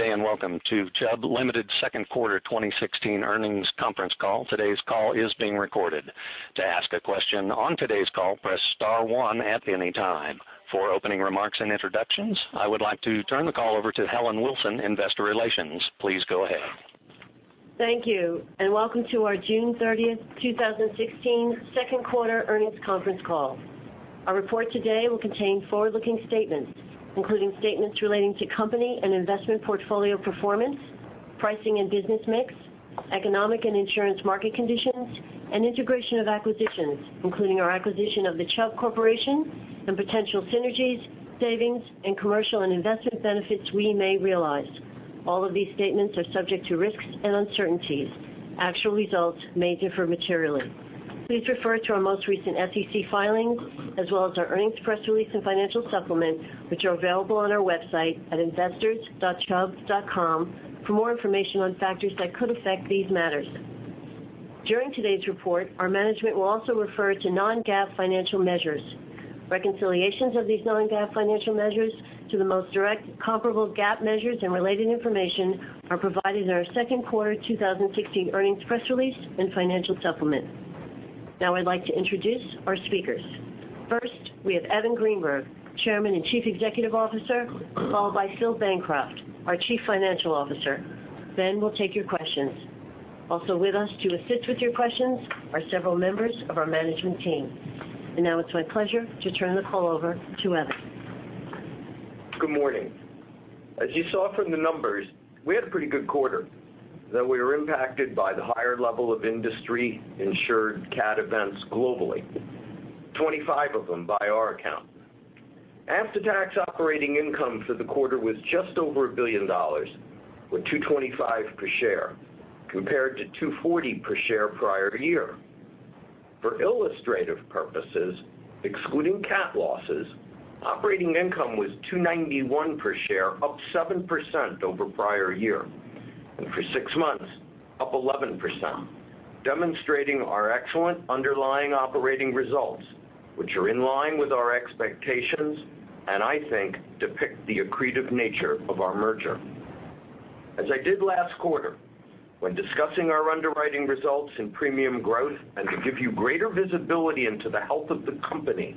Good day. Welcome to Chubb Limited Second Quarter 2016 Earnings Conference Call. Today's call is being recorded. To ask a question on today's call, press star one at any time. For opening remarks and introductions, I would like to turn the call over to Helen Wilson, investor relations. Please go ahead. Thank you. Welcome to our June 30th, 2016 second quarter earnings conference call. Our report today will contain forward-looking statements, including statements relating to company and investment portfolio performance, pricing and business mix, economic and insurance market conditions, and integration of acquisitions, including our acquisition of the Chubb Corporation and potential synergies, savings, and commercial and investment benefits we may realize. All of these statements are subject to risks and uncertainties. Actual results may differ materially. Please refer to our most recent SEC filings, as well as our earnings press release and financial supplement, which are available on our website at investors.chubb.com for more information on factors that could affect these matters. During today's report, our management will also refer to non-GAAP financial measures. Reconciliations of these non-GAAP financial measures to the most direct comparable GAAP measures and related information are provided in our second quarter 2016 earnings press release and financial supplement. Now I'd like to introduce our speakers. First, we have Evan Greenberg, Chairman and Chief Executive Officer, followed by Philip Bancroft, our Chief Financial Officer. We'll take your questions. Also with us to assist with your questions are several members of our management team. Now it's my pleasure to turn the call over to Evan. Good morning. As you saw from the numbers, we had a pretty good quarter, though we were impacted by the higher level of industry insured cat events globally, 25 of them by our account. After-tax operating income for the quarter was just over $1 billion, with $225 per share, compared to $240 per share prior year. For illustrative purposes, excluding cat losses, operating income was $291 per share, up 7% over prior year, and for six months, up 11%, demonstrating our excellent underlying operating results, which are in line with our expectations and I think depict the accretive nature of our merger. As I did last quarter, when discussing our underwriting results and premium growth and to give you greater visibility into the health of the company,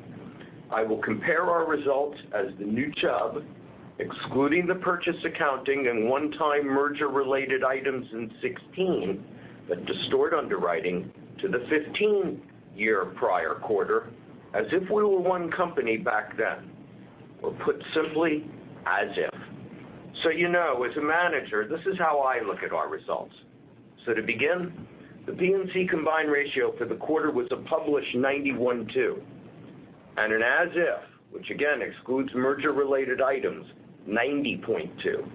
I will compare our results as the new Chubb, excluding the purchase accounting and one-time merger-related items in 2016 that distort underwriting to the 2015 year prior quarter as if we were one company back then, or put simply, as if. You know, as a manager, this is how I look at our results. To begin, the P&C combined ratio for the quarter was a published 91.2, and an as if, which again excludes merger-related items, 90.2.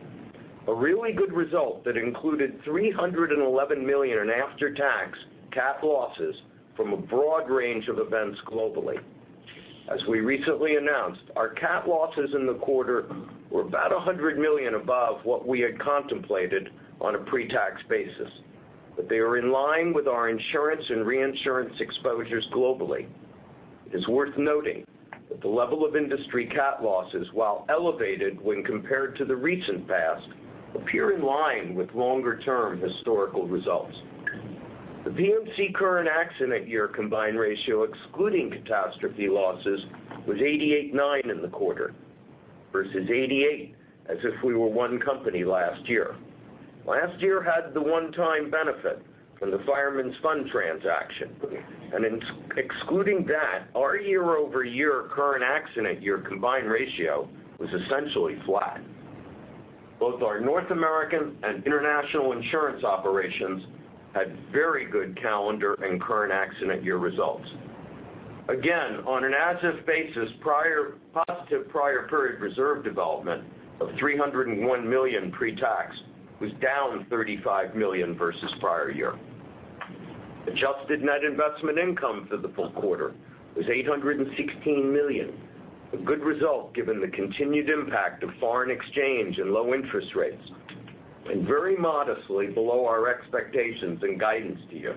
A really good result that included $311 million in after-tax cat losses from a broad range of events globally. As we recently announced, our cat losses in the quarter were about $100 million above what we had contemplated on a pre-tax basis. They are in line with our insurance and reinsurance exposures globally. It is worth noting that the level of industry cat losses, while elevated when compared to the recent past, appear in line with longer-term historical results. The P&C current accident year combined ratio, excluding catastrophe losses, was 88.9 in the quarter versus 88 as if we were one company last year. Last year had the one-time benefit from the Fireman's Fund transaction, and excluding that, our year-over-year current accident year combined ratio was essentially flat. Both our North American and international insurance operations had very good calendar and current accident year results. Again, on an as-if basis, positive prior period reserve development of $301 million pre-tax was down $35 million versus prior year. Adjusted net investment income for the full quarter was $816 million. A good result given the continued impact of foreign exchange and low interest rates, and very modestly below our expectations and guidance to you.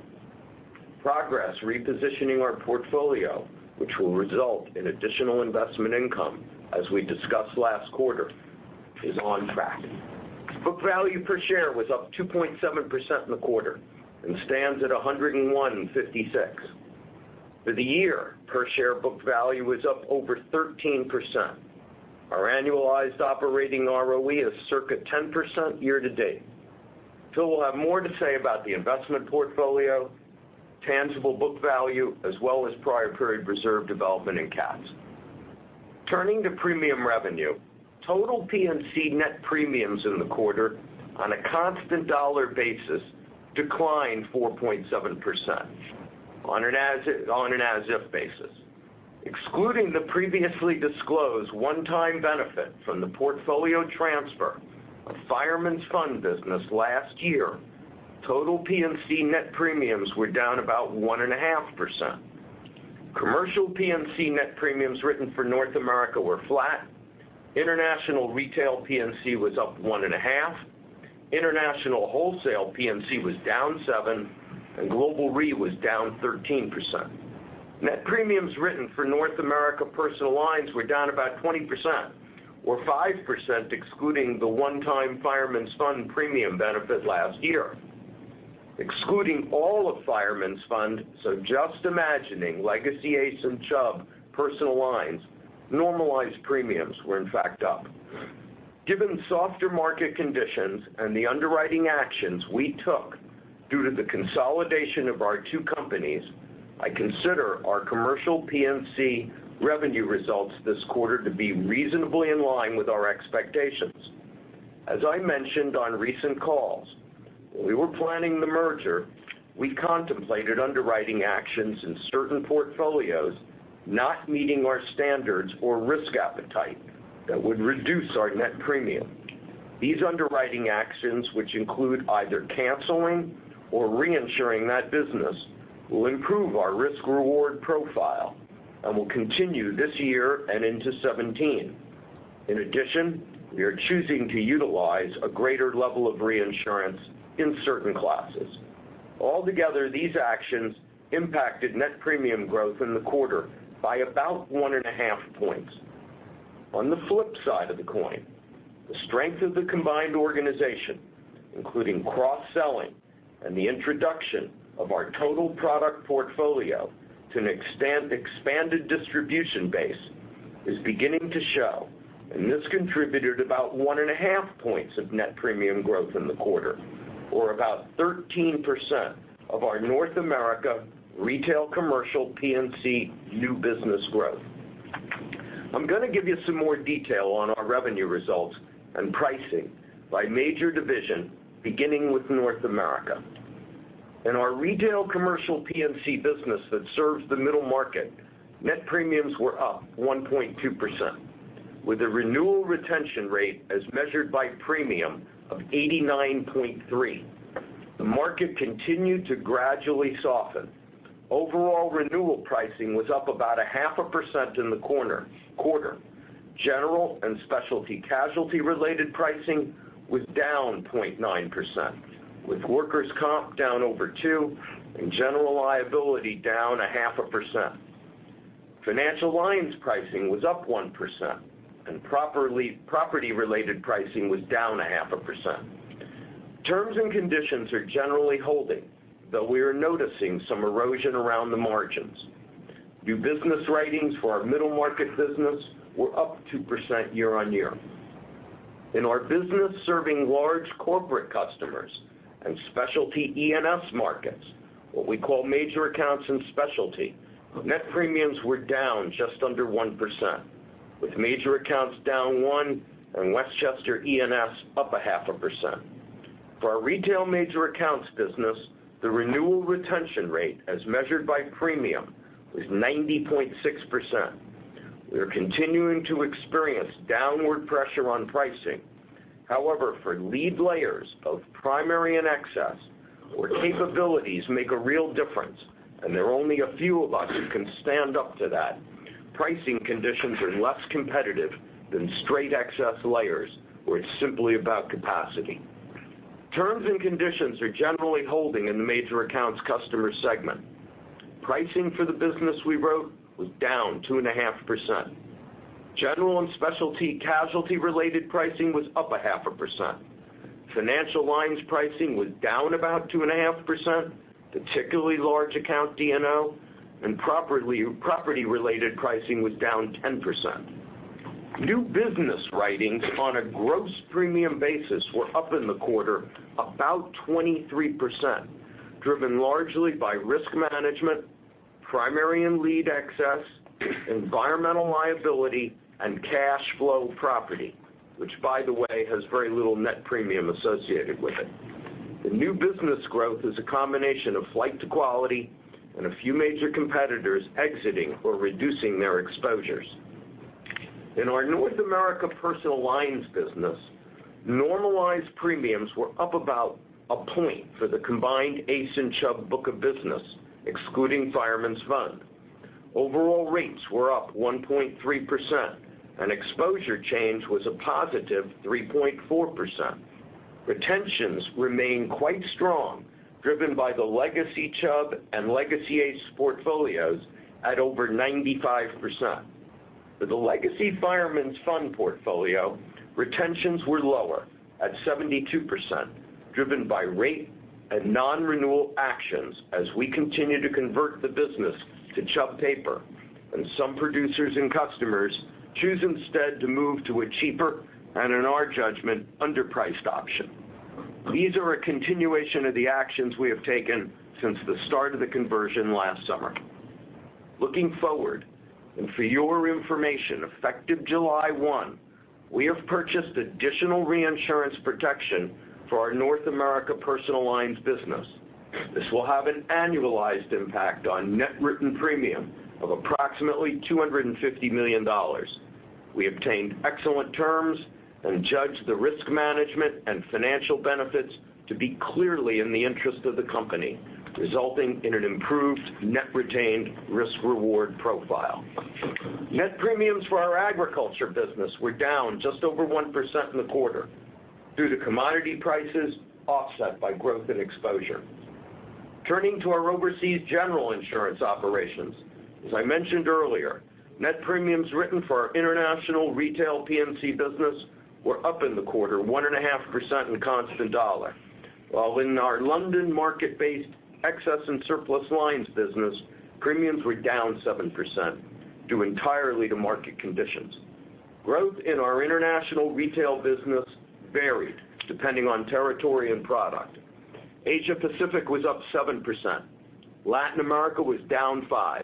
Progress repositioning our portfolio, which will result in additional investment income as we discussed last quarter, is on track. Book value per share was up 2.7% in the quarter and stands at $101.56. For the year, per share book value is up over 13%. Our annualized operating ROE is circa 10% year to date. Phil will have more to say about the investment portfolio, tangible book value, as well as prior period reserve development in cats. Turning to premium revenue, total P&C net premiums in the quarter on a constant dollar basis declined 4.7% on an as if basis. Excluding the previously disclosed one-time benefit from the portfolio transfer of Fireman's Fund business last year, total P&C net premiums were down about 1.5%. Commercial P&C net premiums written for North America were flat. International retail P&C was up 1.5%. International wholesale P&C was down 7%. Global Re was down 13%. Net premiums written for North America Personal Lines were down about 20%, or 5% excluding the one-time Fireman's Fund premium benefit last year. Excluding all of Fireman's Fund, just imagining legacy ACE and Chubb Personal Lines, normalized premiums were in fact up. Given softer market conditions and the underwriting actions we took due to the consolidation of our two companies, I consider our commercial P&C revenue results this quarter to be reasonably in line with our expectations. As I mentioned on recent calls, when we were planning the merger, we contemplated underwriting actions in certain portfolios not meeting our standards or risk appetite that would reduce our net premium. These underwriting actions, which include either canceling or reinsuring that business, will improve our risk-reward profile and will continue this year and into 2017. In addition, we are choosing to utilize a greater level of reinsurance in certain classes. All together, these actions impacted net premium growth in the quarter by about 1.5 points. On the flip side of the coin, the strength of the combined organization, including cross-selling and the introduction of our total product portfolio to an expanded distribution base, is beginning to show, and this contributed about 1.5 points of net premium growth in the quarter, or about 13% of our North America Retail Commercial P&C new business growth. I'm going to give you some more detail on our revenue results and pricing by major division, beginning with North America. In our Retail Commercial P&C business that serves the middle market, net premiums were up 1.2%, with a renewal retention rate as measured by premium of 89.3%. The market continued to gradually soften. Overall renewal pricing was up about 0.5% in the quarter. General and specialty casualty related pricing was down 0.9%, with workers' comp down over 2% and general liability down 0.5%. Financial lines pricing was up 1%, and property-related pricing was down 0.5%. Terms and conditions are generally holding, though we are noticing some erosion around the margins. New business writings for our middle market business were up 2% year-on-year. In our business serving large corporate customers and specialty E&S markets, what we call Major Accounts and Specialty, net premiums were down just under 1%, with Major Accounts down 1% and Westchester E&S up 0.5%. For our retail Major Accounts business, the renewal retention rate as measured by premium was 90.6%. We are continuing to experience downward pressure on pricing. However, for lead layers of primary and excess, where capabilities make a real difference and there are only a few of us who can stand up to that, pricing conditions are less competitive than straight excess layers where it's simply about capacity. Terms and conditions are generally holding in the Major Accounts customer segment. Pricing for the business we wrote was down 2.5%. General and specialty casualty related pricing was up 0.5%. Financial lines pricing was down about 2.5%, particularly large account D&O, and property-related pricing was down 10%. New business writings on a gross premium basis were up in the quarter about 23%, driven largely by risk management, primary and lead excess, environmental liability, and cash flow property, which by the way, has very little net premium associated with it. The new business growth is a combination of flight to quality and a few major competitors exiting or reducing their exposures. In our North America Personal Lines business, normalized premiums were up about a point for the combined ACE and Chubb book of business, excluding Fireman's Fund. Overall rates were up 1.3%, and exposure change was a positive 3.4%. Retentions remain quite strong, driven by the legacy Chubb and legacy ACE portfolios at over 95%. For the legacy Fireman's Fund portfolio, retentions were lower at 72%, driven by rate and non-renewal actions as we continue to convert the business to Chubb paper and some producers and customers choose instead to move to a cheaper and, in our judgment, underpriced option. These are a continuation of the actions we have taken since the start of the conversion last summer. Looking forward, for your information, effective July 1, we have purchased additional reinsurance protection for our North America Personal Lines business. This will have an annualized impact on net written premium of approximately $250 million. We obtained excellent terms and judged the risk management and financial benefits to be clearly in the interest of the company, resulting in an improved net retained risk-reward profile. Net premiums for our agriculture business were down just over 1% in the quarter due to commodity prices offset by growth and exposure. Turning to our Overseas General Insurance operations. As I mentioned earlier, net premiums written for our international retail P&C business were up in the quarter 1.5% in constant dollar. While in our London market-based E&S lines business, premiums were down 7%, due entirely to market conditions. Growth in our international retail business varied depending on territory and product. Asia Pacific was up 7%. Latin America was down 5%,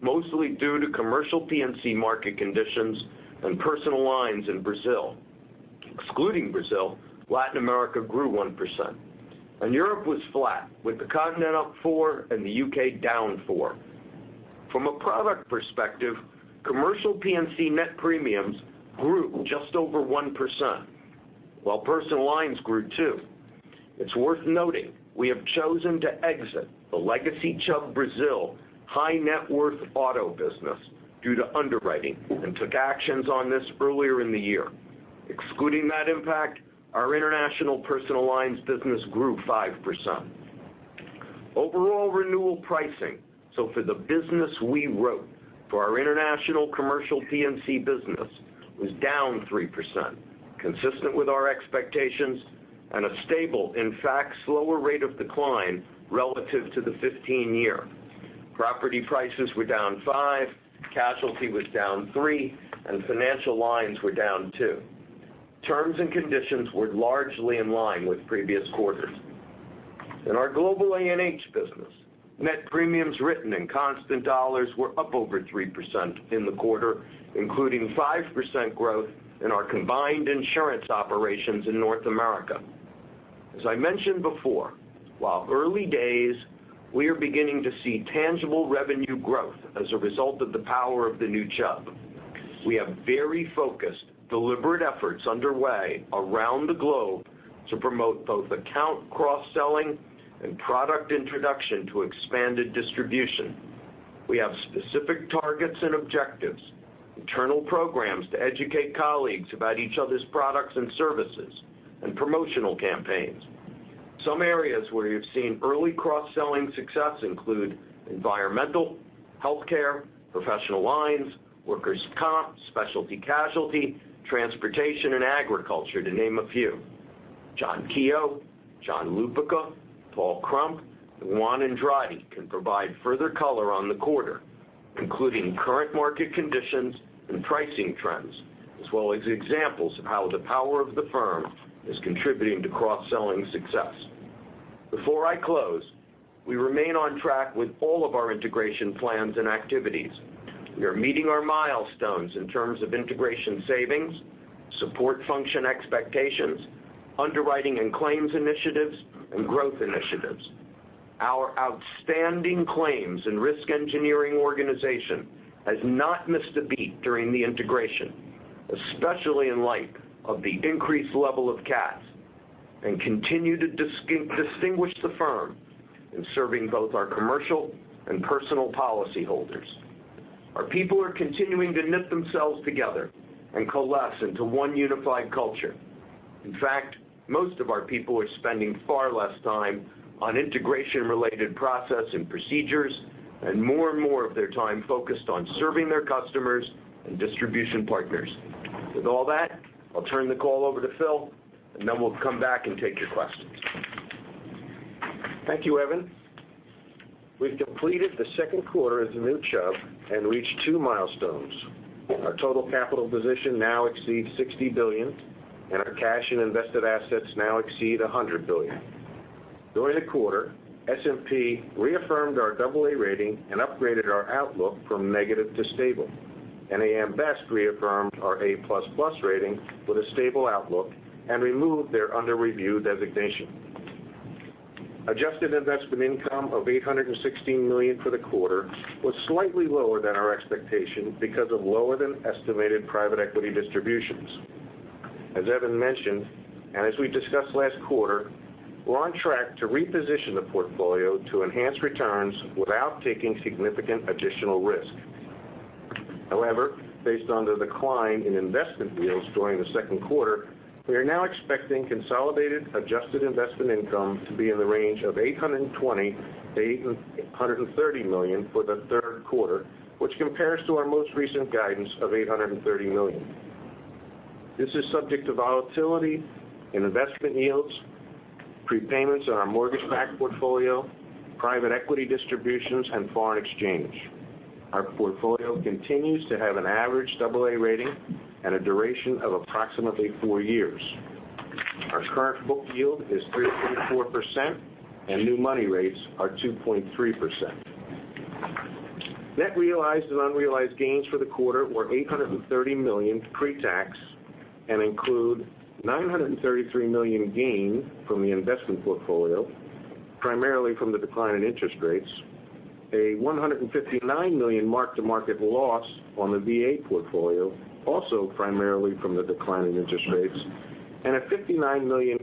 mostly due to commercial P&C market conditions and personal lines in Brazil. Excluding Brazil, Latin America grew 1%. Europe was flat, with the continent up 4% and the U.K. down 4%. From a product perspective, commercial P&C net premiums grew just over 1%, while personal lines grew 2%. It's worth noting, we have chosen to exit the legacy Chubb Brazil high net worth auto business due to underwriting and took actions on this earlier in the year. Excluding that impact, our international personal lines business grew 5%. Overall renewal pricing, so for the business we wrote for our international commercial P&C business, was down 3%, consistent with our expectations and a stable, in fact, slower rate of decline relative to the 15-year. Property prices were down 5%, casualty was down 3%, and financial lines were down 2%. Terms and conditions were largely in line with previous quarters. In our global A&H business, net premiums written in constant dollars were up over 3% in the quarter, including 5% growth in our combined insurance operations in North America. As I mentioned before, while early days, we are beginning to see tangible revenue growth as a result of the power of the new Chubb. We have very focused, deliberate efforts underway around the globe to promote both account cross-selling and product introduction to expanded distribution. We have specific targets and objectives, internal programs to educate colleagues about each other's products and services, and promotional campaigns. Some areas where we've seen early cross-selling success include environmental, healthcare, professional lines, workers' comp, specialty casualty, transportation, and agriculture, to name a few. John Keough, John Lupica, Paul Crump, and Juan Andrade can provide further color on the quarter, including current market conditions and pricing trends, as well as examples of how the power of the firm is contributing to cross-selling success. Before I close, we remain on track with all of our integration plans and activities. We are meeting our milestones in terms of integration savings, support function expectations, underwriting and claims initiatives, and growth initiatives. Our outstanding claims and risk engineering organization has not missed a beat during the integration, especially in light of the increased level of cats, and continue to distinguish the firm in serving both our commercial and personal policyholders. Our people are continuing to knit themselves together and coalesce into one unified culture. In fact, most of our people are spending far less time on integration-related process and procedures and more and more of their time focused on serving their customers and distribution partners. With all that, I'll turn the call over to Phil, then we'll come back and take your questions. Thank you, Evan. We've completed the second quarter as the new Chubb and reached two milestones. Our total capital position now exceeds $60 billion, and our cash and invested assets now exceed $100 billion. During the quarter, S&P reaffirmed our AA rating and upgraded our outlook from negative to stable. AM Best reaffirmed our A++ rating with a stable outlook and removed their under review designation. Adjusted investment income of $816 million for the quarter was slightly lower than our expectation because of lower than estimated private equity distributions. As Evan mentioned, and as we discussed last quarter, we're on track to reposition the portfolio to enhance returns without taking significant additional risk. However, based on the decline in investment yields during the second quarter, we are now expecting consolidated adjusted investment income to be in the range of $820 million-$830 million for the third quarter, which compares to our most recent guidance of $830 million. This is subject to volatility in investment yields, prepayments on our mortgage-backed portfolio, private equity distributions, and foreign exchange. Our portfolio continues to have an average AA rating and a duration of approximately four years. Our current book yield is 3.4%, and new money rates are 2.3%. Net realized and unrealized gains for the quarter were $830 million pre-tax and include $933 million gain from the investment portfolio, primarily from the decline in interest rates, a $159 million mark-to-market loss on the VA portfolio, also primarily from the decline in interest rates, and a $59 million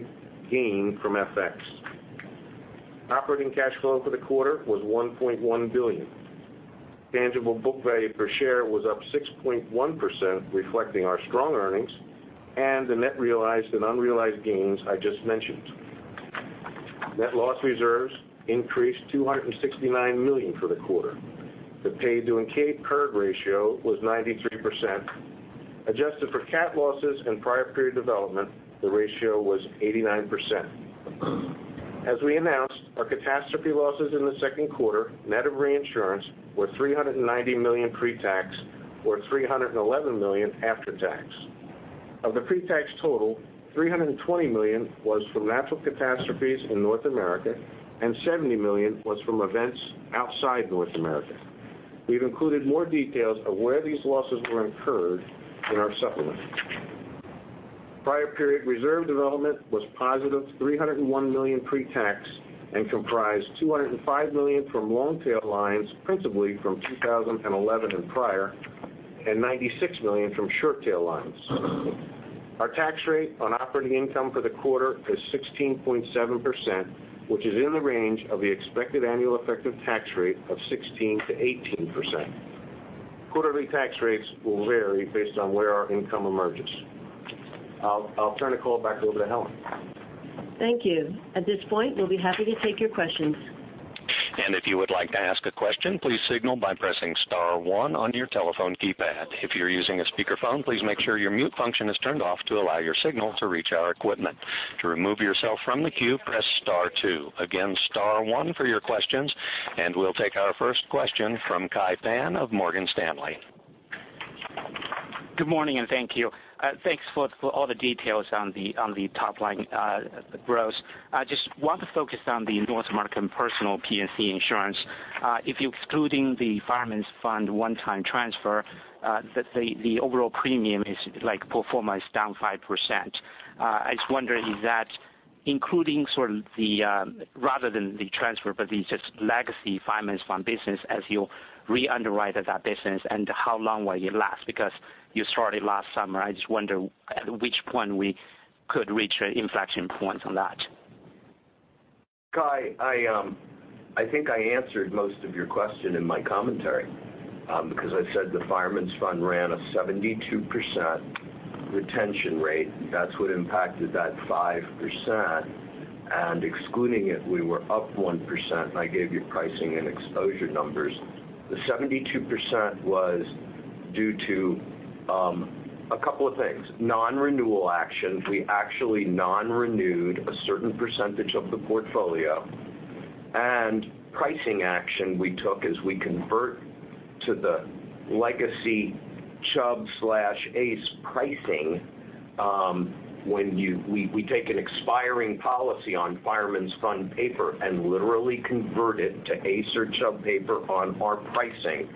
gain from FX. Operating cash flow for the quarter was $1.1 billion. Tangible book value per share was up 6.1%, reflecting our strong earnings and the net realized and unrealized gains I just mentioned. Net loss reserves increased $269 million for the quarter. The paid to incurred ratio was 93%. Adjusted for cat losses and prior period development, the ratio was 89%. As we announced, our catastrophe losses in the second quarter, net of reinsurance, were $390 million pre-tax or $311 million after tax. Of the pre-tax total, $320 million was from natural catastrophes in North America, and $70 million was from events outside North America. We've included more details of where these losses were incurred in our supplement. Prior period reserve development was positive $301 million pre-tax and comprised $205 million from long-tail lines, principally from 2011 and prior, and $96 million from short tail lines. Our tax rate on operating income for the quarter is 16.7%, which is in the range of the expected annual effective tax rate of 16%-18%. Quarterly tax rates will vary based on where our income emerges. I'll turn the call back over to Helen. Thank you. At this point, we'll be happy to take your questions. If you would like to ask a question, please signal by pressing star one on your telephone keypad. If you're using a speakerphone, please make sure your mute function is turned off to allow your signal to reach our equipment. To remove yourself from the queue, press star two. Again, star one for your questions, we'll take our first question from Kai Pan of Morgan Stanley. Good morning, thank you. Thanks for all the details on the top line gross. I just want to focus on the North American personal P&C insurance. If you're excluding the Fireman's Fund one-time transfer, the overall premium performance is down 5%. I was wondering, is that including, sort of rather than the transfer, but the just legacy Fireman's Fund business as you re-underwrite that business, and how long will it last? Because you started last summer, I just wonder at which point we could reach an inflection point on that. Kai, I think I answered most of your question in my commentary. I said the Fireman's Fund ran a 72% retention rate. That's what impacted that 5%. Excluding it, we were up 1%, and I gave you pricing and exposure numbers. The 72% was due to a couple of things. Non-renewal actions, we actually non-renewed a certain percentage of the portfolio. Pricing action we took as we convert to the legacy Chubb/ACE pricing, when we take an expiring policy on Fireman's Fund paper and literally convert it to ACE or Chubb paper on our pricing.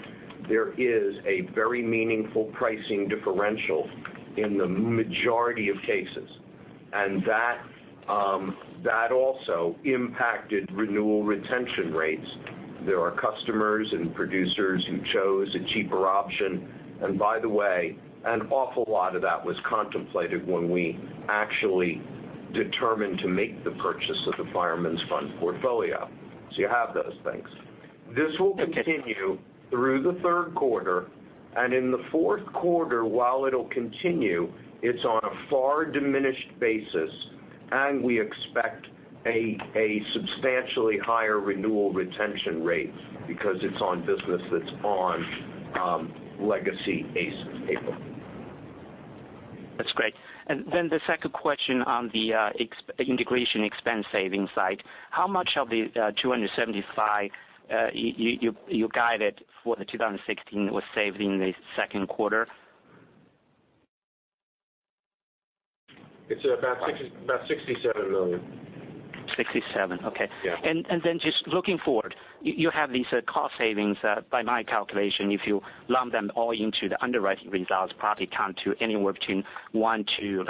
There is a very meaningful pricing differential in the majority of cases. That also impacted renewal retention rates. There are customers and producers who chose a cheaper option. By the way, an awful lot of that was contemplated when we actually determined to make the purchase of the Fireman's Fund portfolio. You have those things. This will continue through the third quarter, and in the fourth quarter, while it'll continue, it's on a far diminished basis, and we expect a substantially higher renewal retention rate because it's on business that's on legacy ACE paper. That's great. Then the second question on the integration expense savings side. How much of the $275 you guided for the 2016 was saved in the second quarter? It's about $67 million. $67, okay. Yeah. Just looking forward, you have these cost savings, by my calculation, if you lump them all into the underwriting results, probably come to anywhere between one to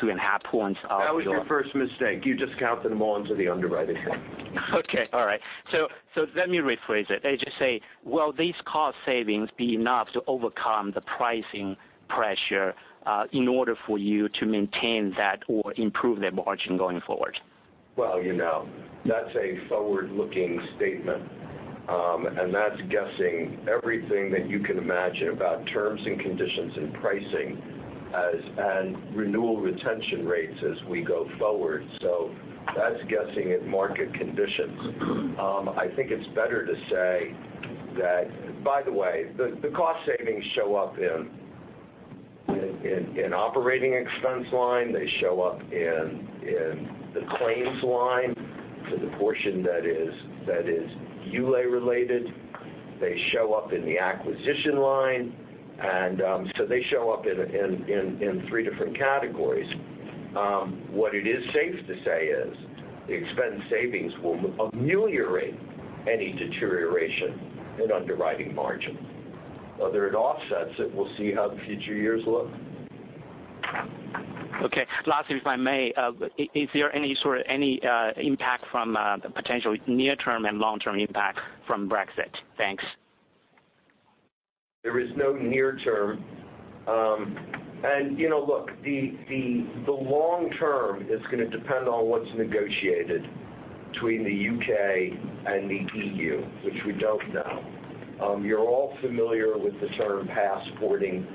two and a half points of your- That was your first mistake. You just count them all into the underwriting one. Okay. All right. Let me rephrase it. Just say, will these cost savings be enough to overcome the pricing pressure in order for you to maintain that or improve the margin going forward? Well, that's a forward-looking statement. That's guessing everything that you can imagine about terms and conditions and pricing and renewal retention rates as we go forward. That's guessing at market conditions. I think it's better to say that, by the way, the cost savings show up in operating expense line. They show up in the claims line to the portion that is ULAE related. They show up in the acquisition line. They show up in three different categories. What it is safe to say is the expense savings will ameliorate any deterioration in underwriting margin. Whether it offsets it, we'll see how the future years look. Okay. Lastly, if I may, is there any sort of impact from the potential near-term and long-term impact from Brexit? Thanks. There is no near term. Look, the long term is going to depend on what's negotiated between the U.K. and the EU, which we don't know. You're all familiar with the term passporting,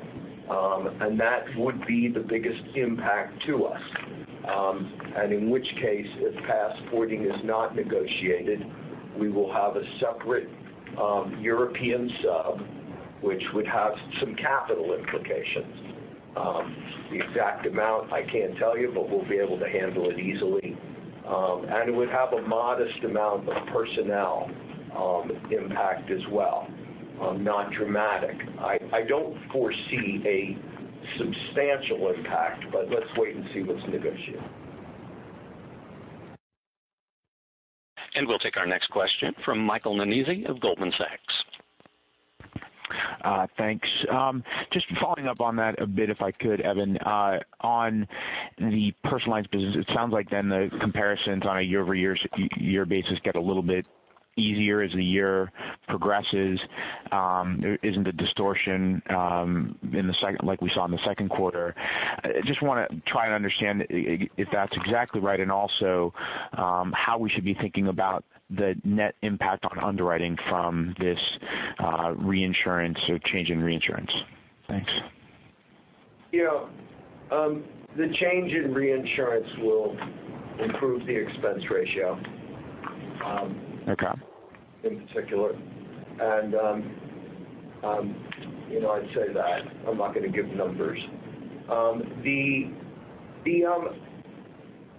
that would be the biggest impact to us. In which case, if passporting is not negotiated, we will have a separate European sub, which would have some capital implications. The exact amount I can't tell you, but we'll be able to handle it easily. It would have a modest amount of personnel impact as well. Not dramatic. I don't foresee a substantial impact, but let's wait and see what's negotiated. We'll take our next question from Michael Nannizzi of Goldman Sachs. Thanks. Just following up on that a bit, if I could, Evan, on the personal lines business, it sounds like the comparisons on a year-over-year basis get a little bit easier as the year progresses. Isn't a distortion like we saw in the second quarter? Just want to try and understand if that's exactly right, and also how we should be thinking about the net impact on underwriting from this reinsurance or change in reinsurance. Thanks. The change in reinsurance will improve the expense ratio. Okay in particular. I'd say that I'm not going to give numbers.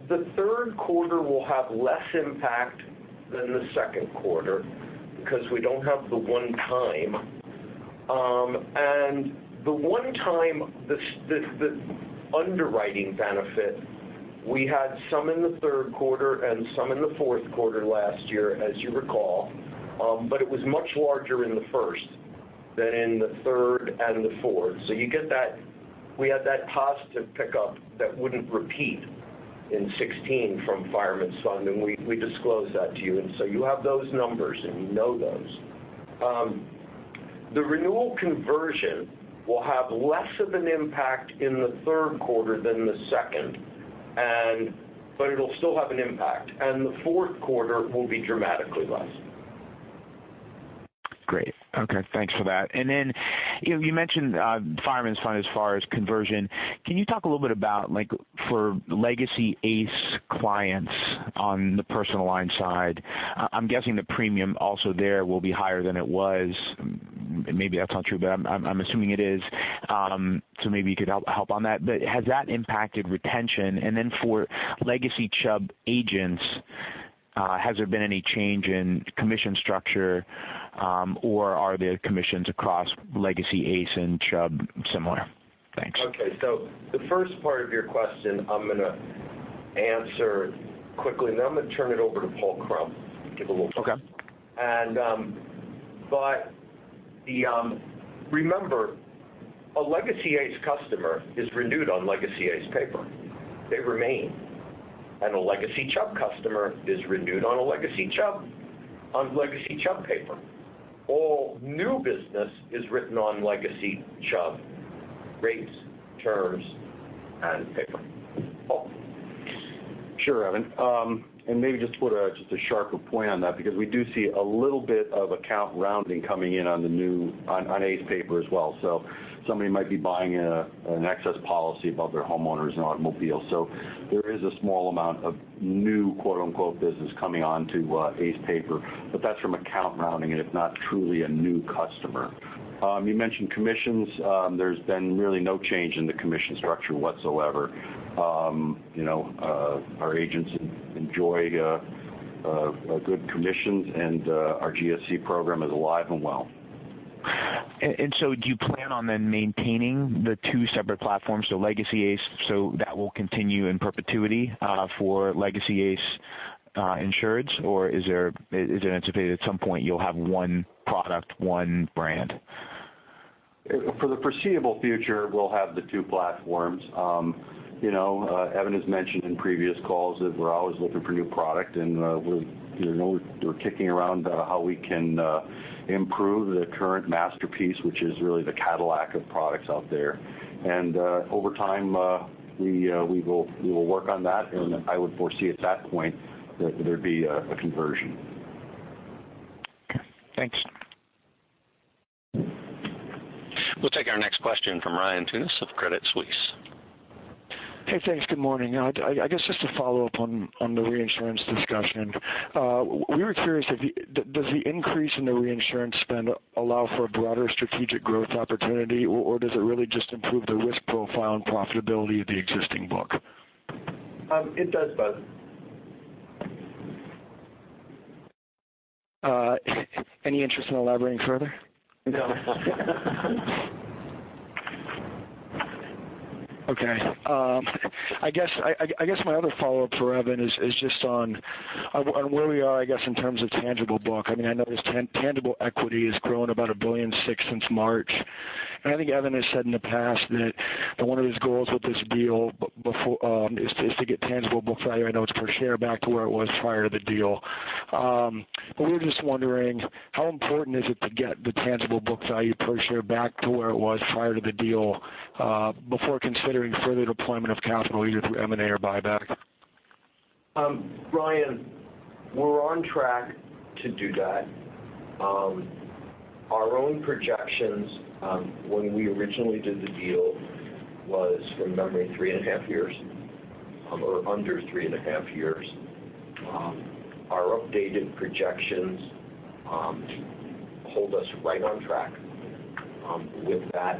The third quarter will have less impact than the second quarter because we don't have the one time. The one time, the underwriting benefit, we had some in the third quarter and some in the fourth quarter last year, as you recall. It was much larger in the first than in the third and the fourth. We had that positive pickup that wouldn't repeat in 2016 from Fireman's Fund, and we disclosed that to you. You have those numbers, and you know those. The renewal conversion will have less of an impact in the third quarter than the second, it'll still have an impact, and the fourth quarter will be dramatically less. Great. Okay. Thanks for that. You mentioned Fireman's Fund as far as conversion. Can you talk a little bit about for legacy ACE clients on the personal line side, I'm guessing the premium also there will be higher than it was. Maybe that's not true, I'm assuming it is. Maybe you could help on that. Has that impacted retention? For legacy Chubb agents, has there been any change in commission structure? Are the commissions across legacy ACE and Chubb similar? Thanks. Okay. The first part of your question I'm going to answer quickly, then I'm going to turn it over to Paul Crump. Okay Remember, a legacy ACE customer is renewed on legacy ACE paper. They remain. A legacy Chubb customer is renewed on legacy Chubb paper. All new business is written on legacy Chubb rates, terms, and paper. Paul? Sure, Evan. Maybe just to put just a sharper point on that because we do see a little bit of account rounding coming in on ACE paper as well. Somebody might be buying an excess policy above their homeowners and automobile. There is a small amount of new, quote unquote, business coming onto ACE paper, but that's from account rounding, and it's not truly a new customer. You mentioned commissions. There's been really no change in the commission structure whatsoever. Our agents enjoy good commissions, and our GSE program is alive and well. Do you plan on then maintaining the two separate platforms, so legacy ACE, so that will continue in perpetuity for legacy ACE insureds, or is it anticipated at some point you'll have one product, one brand? For the foreseeable future, we'll have the two platforms. Evan has mentioned in previous calls that we're always looking for new product, we're kicking around how we can improve the current Masterpiece, which is really the Cadillac of products out there. Over time, we will work on that, and I would foresee at that point that there'd be a conversion. Okay. Thanks. We'll take our next question from Ryan Tunis of Credit Suisse. Hey, thanks. Good morning. I guess just to follow up on the reinsurance discussion. We were curious if does the increase in the reinsurance spend allow for a broader strategic growth opportunity, or does it really just improve the risk profile and profitability of the existing book? It does both. Any interest in elaborating further? No. Okay. I guess my other follow-up for Evan is just on where we are, I guess, in terms of tangible book. I know this tangible equity has grown about $1.6 billion since March. I think Evan has said in the past that one of his goals with this deal is to get tangible book value, I know it's per share, back to where it was prior to the deal. We were just wondering how important is it to get the tangible book value per share back to where it was prior to the deal, before considering further deployment of capital either through M&A or buyback? Ryan, we're on track to do that. Our own projections, when we originally did the deal was, from memory, three and a half years, or under three and a half years. Our updated projections hold us right on track with that.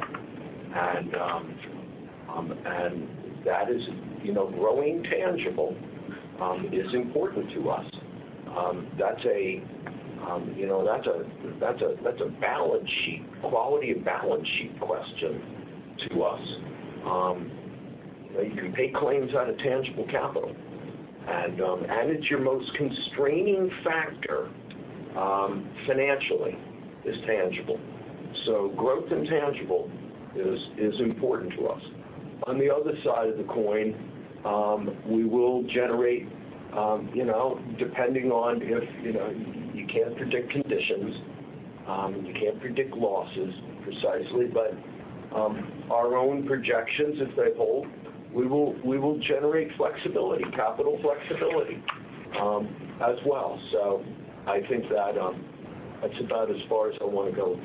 Growing tangible is important to us. That's a quality of balance sheet question to us. You can pay claims out of tangible capital. It's your most constraining factor financially, is tangible. Growth in tangible is important to us. On the other side of the coin, we will generate, depending on if, you can't predict conditions, you can't predict losses precisely, but, our own projections, if they hold, we will generate flexibility, capital flexibility, as well. I think that's about as far as I want to go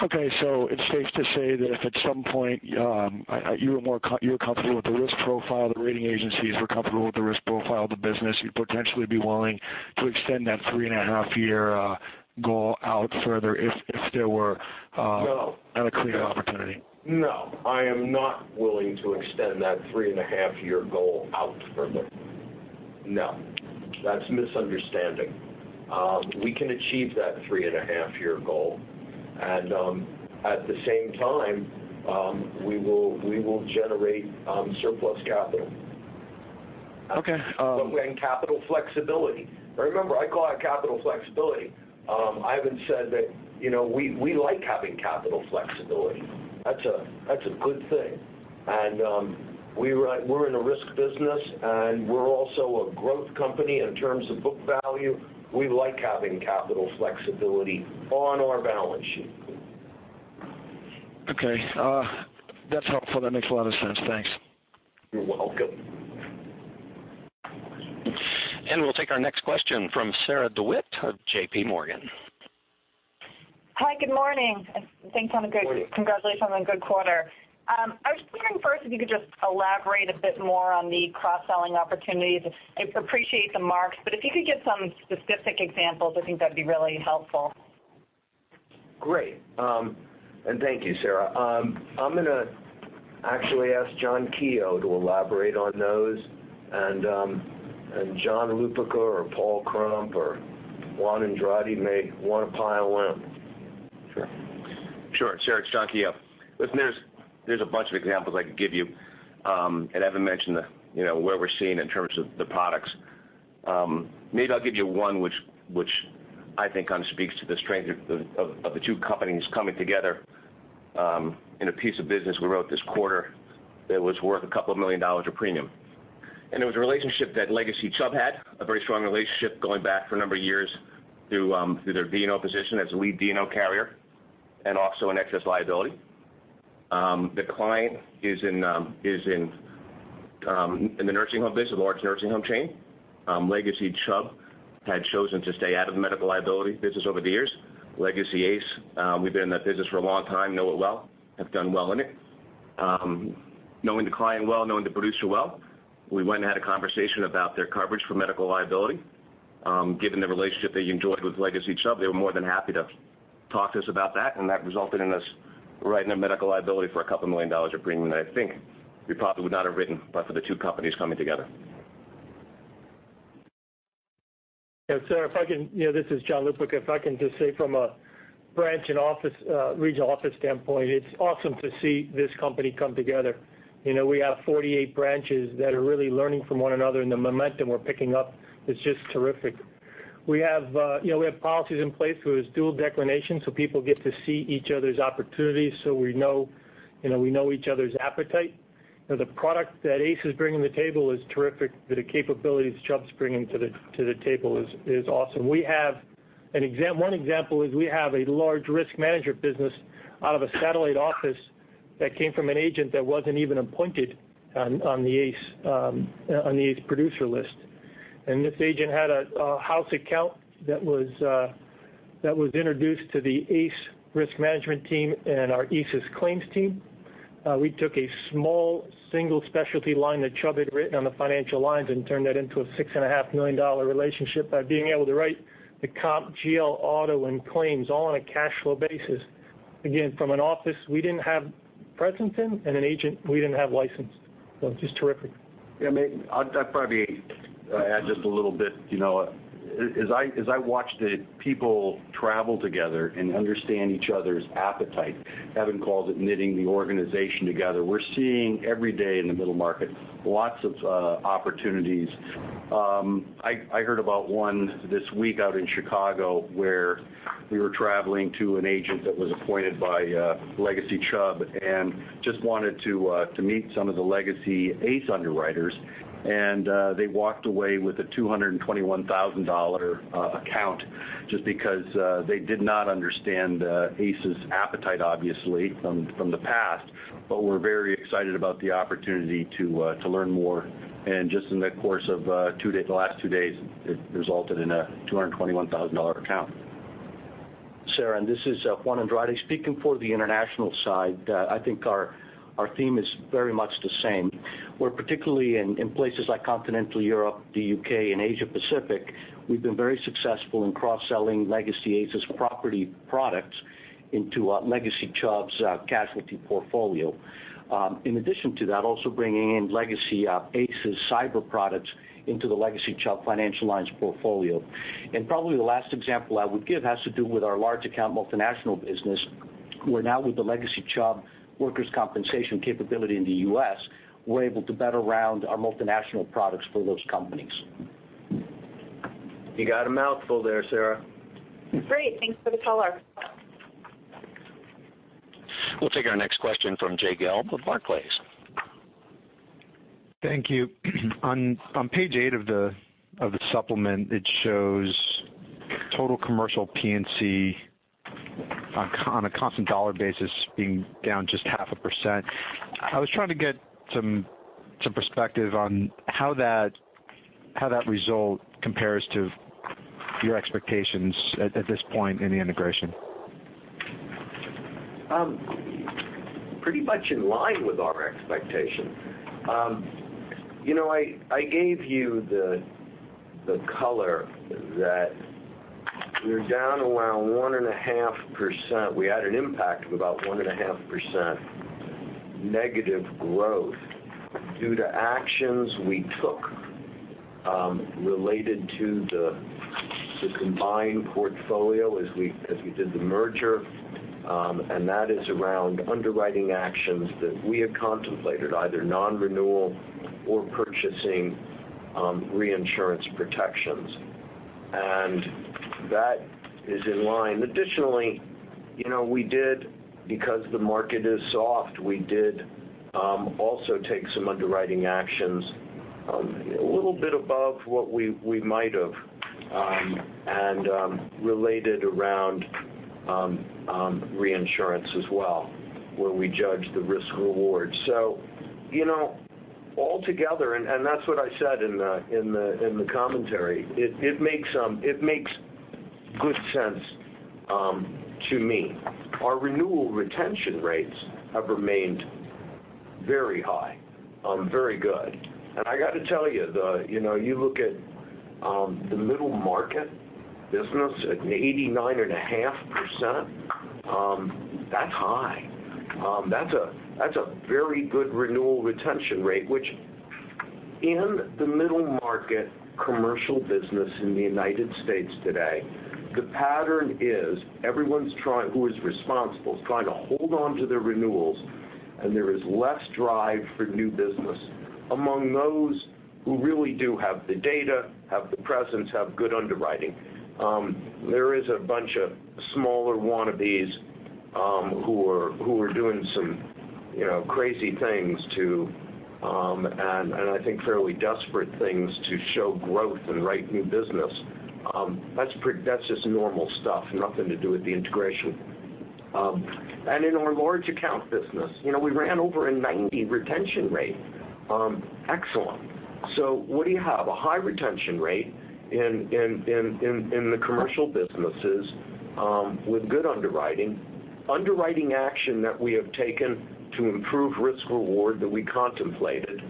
with that. Okay. it's safe to say that if at some point you're comfortable with the risk profile, the rating agencies were comfortable with the risk profile of the business, you'd potentially be willing to extend that three-and-a-half-year goal out further if there were- No an accretive opportunity. No, I am not willing to extend that three-and-a-half-year goal out further. No. That's a misunderstanding. We can achieve that three-and-a-half-year goal, at the same time, we will generate surplus capital. Okay. Capital flexibility. Remember, I call it capital flexibility. I haven't said that we like having capital flexibility. That's a good thing. We're in a risk business, and we're also a growth company in terms of book value. We like having capital flexibility on our balance sheet. Okay. That's helpful. That makes a lot of sense. Thanks. You're welcome. We'll take our next question from Sarah DeWitt of JPMorgan. Hi, good morning. Good morning. Thanks, and congratulations on the good quarter. I was just wondering first if you could just elaborate a bit more on the cross-selling opportunities. I appreciate the marks, but if you could give some specific examples, I think that would be really helpful. Great. Thank you, Sarah. I'm going to actually ask John Keough to elaborate on those, and John Lupica or Paul Crump or Juan Andrade may want to pile in. Sure. Sarah, it's John Keough. Listen, there's a bunch of examples I could give you. Evan mentioned where we're seeing in terms of the products. Maybe I'll give you one which I think speaks to the strength of the two companies coming together, in a piece of business we wrote this quarter that was worth a couple of million dollars of premium. It was a relationship that legacy Chubb had, a very strong relationship going back for a number of years through their D&O position as a lead D&O carrier, and also in excess liability. The client is in the nursing home business, a large nursing home chain. Legacy Chubb had chosen to stay out of the medical liability business over the years. Legacy ACE, we've been in that business for a long time, know it well, have done well in it. Knowing the client well, knowing the producer well, we went and had a conversation about their coverage for medical liability. Given the relationship they enjoyed with legacy Chubb, they were more than happy to talk to us about that. That resulted in us writing a medical liability for $2 million of premium that I think we probably would not have written but for the two companies coming together. Yeah, Sarah, this is John Lupica. If I can just say from a branch and regional office standpoint, it's awesome to see this company come together. We have 48 branches that are really learning from one another. The momentum we're picking up is just terrific. We have policies in place through this dual declination, so people get to see each other's opportunities. We know each other's appetite. The product that ACE is bringing to the table is terrific. The capabilities Chubb's bringing to the table is awesome. One example is we have a large risk manager business out of a satellite office that came from an agent that wasn't even appointed on the ACE producer list. This agent had a house account that was introduced to the ACE risk management team and our ACE's claims team. We took a small single specialty line that Chubb had written on the financial lines and turned that into a $6.5 million relationship by being able to write the comp, GL, auto, and claims all on a cash flow basis. Again, from an office we didn't have presence in, and an agent we didn't have licensed. It's just terrific. Yeah, I'd probably add just a little bit. As I watch the people travel together and understand each other's appetite Evan calls it knitting the organization together. We're seeing every day in the middle market, lots of opportunities. I heard about one this week out in Chicago where we were traveling to an agent that was appointed by legacy Chubb, and just wanted to meet some of the legacy ACE underwriters. They walked away with a $221,000 account just because they did not understand ACE's appetite, obviously, from the past. We're very excited about the opportunity to learn more. Just in the course of the last two days, it resulted in a $221,000 account. Sarah, this is Juan Andrade. Speaking for the international side, I think our theme is very much the same. We're particularly in places like continental Europe, the U.K., and Asia Pacific, we've been very successful in cross-selling legacy ACE's property products into legacy Chubb's casualty portfolio. In addition to that, also bringing in legacy ACE's cyber products into the legacy Chubb financial lines portfolio. Probably the last example I would give has to do with our large account multinational business, where now with the legacy Chubb workers' compensation capability in the U.S., we're able to better round our multinational products for those companies. You got a mouthful there, Sarah. Great. Thanks for the color. We'll take our next question from Jay Gelb with Barclays. Thank you. On page eight of the supplement, it shows total commercial P&C on a constant dollar basis being down just half a percent. I was trying to get some perspective on how that result compares to your expectations at this point in the integration. Pretty much in line with our expectation. I gave you the color that we're down around 1.5%. We had an impact of about 1.5% negative growth due to actions we took related to the combined portfolio as we did the merger. That is around underwriting actions that we had contemplated, either non-renewal or purchasing reinsurance protections. That is in line. Additionally, because the market is soft, we did also take some underwriting actions, a little bit above what we might have, and related around reinsurance as well, where we judge the risk/reward. Altogether, and that's what I said in the commentary, it makes good sense to me. Our renewal retention rates have remained very high, very good. I got to tell you look at the middle market business at 89.5%, that's high. That's a very good renewal retention rate, which in the middle market commercial business in the United States today, the pattern is everyone who is responsible is trying to hold onto their renewals, and there is less drive for new business among those who really do have the data, have the presence, have good underwriting. There is a bunch of smaller wannabes who are doing some crazy things to, and I think fairly desperate things to show growth and write new business. That's just normal stuff, nothing to do with the integration. In our large account business, we ran over a 90 retention rate. Excellent. What do you have? A high retention rate in the commercial businesses with good underwriting action that we have taken to improve risk/reward that we contemplated,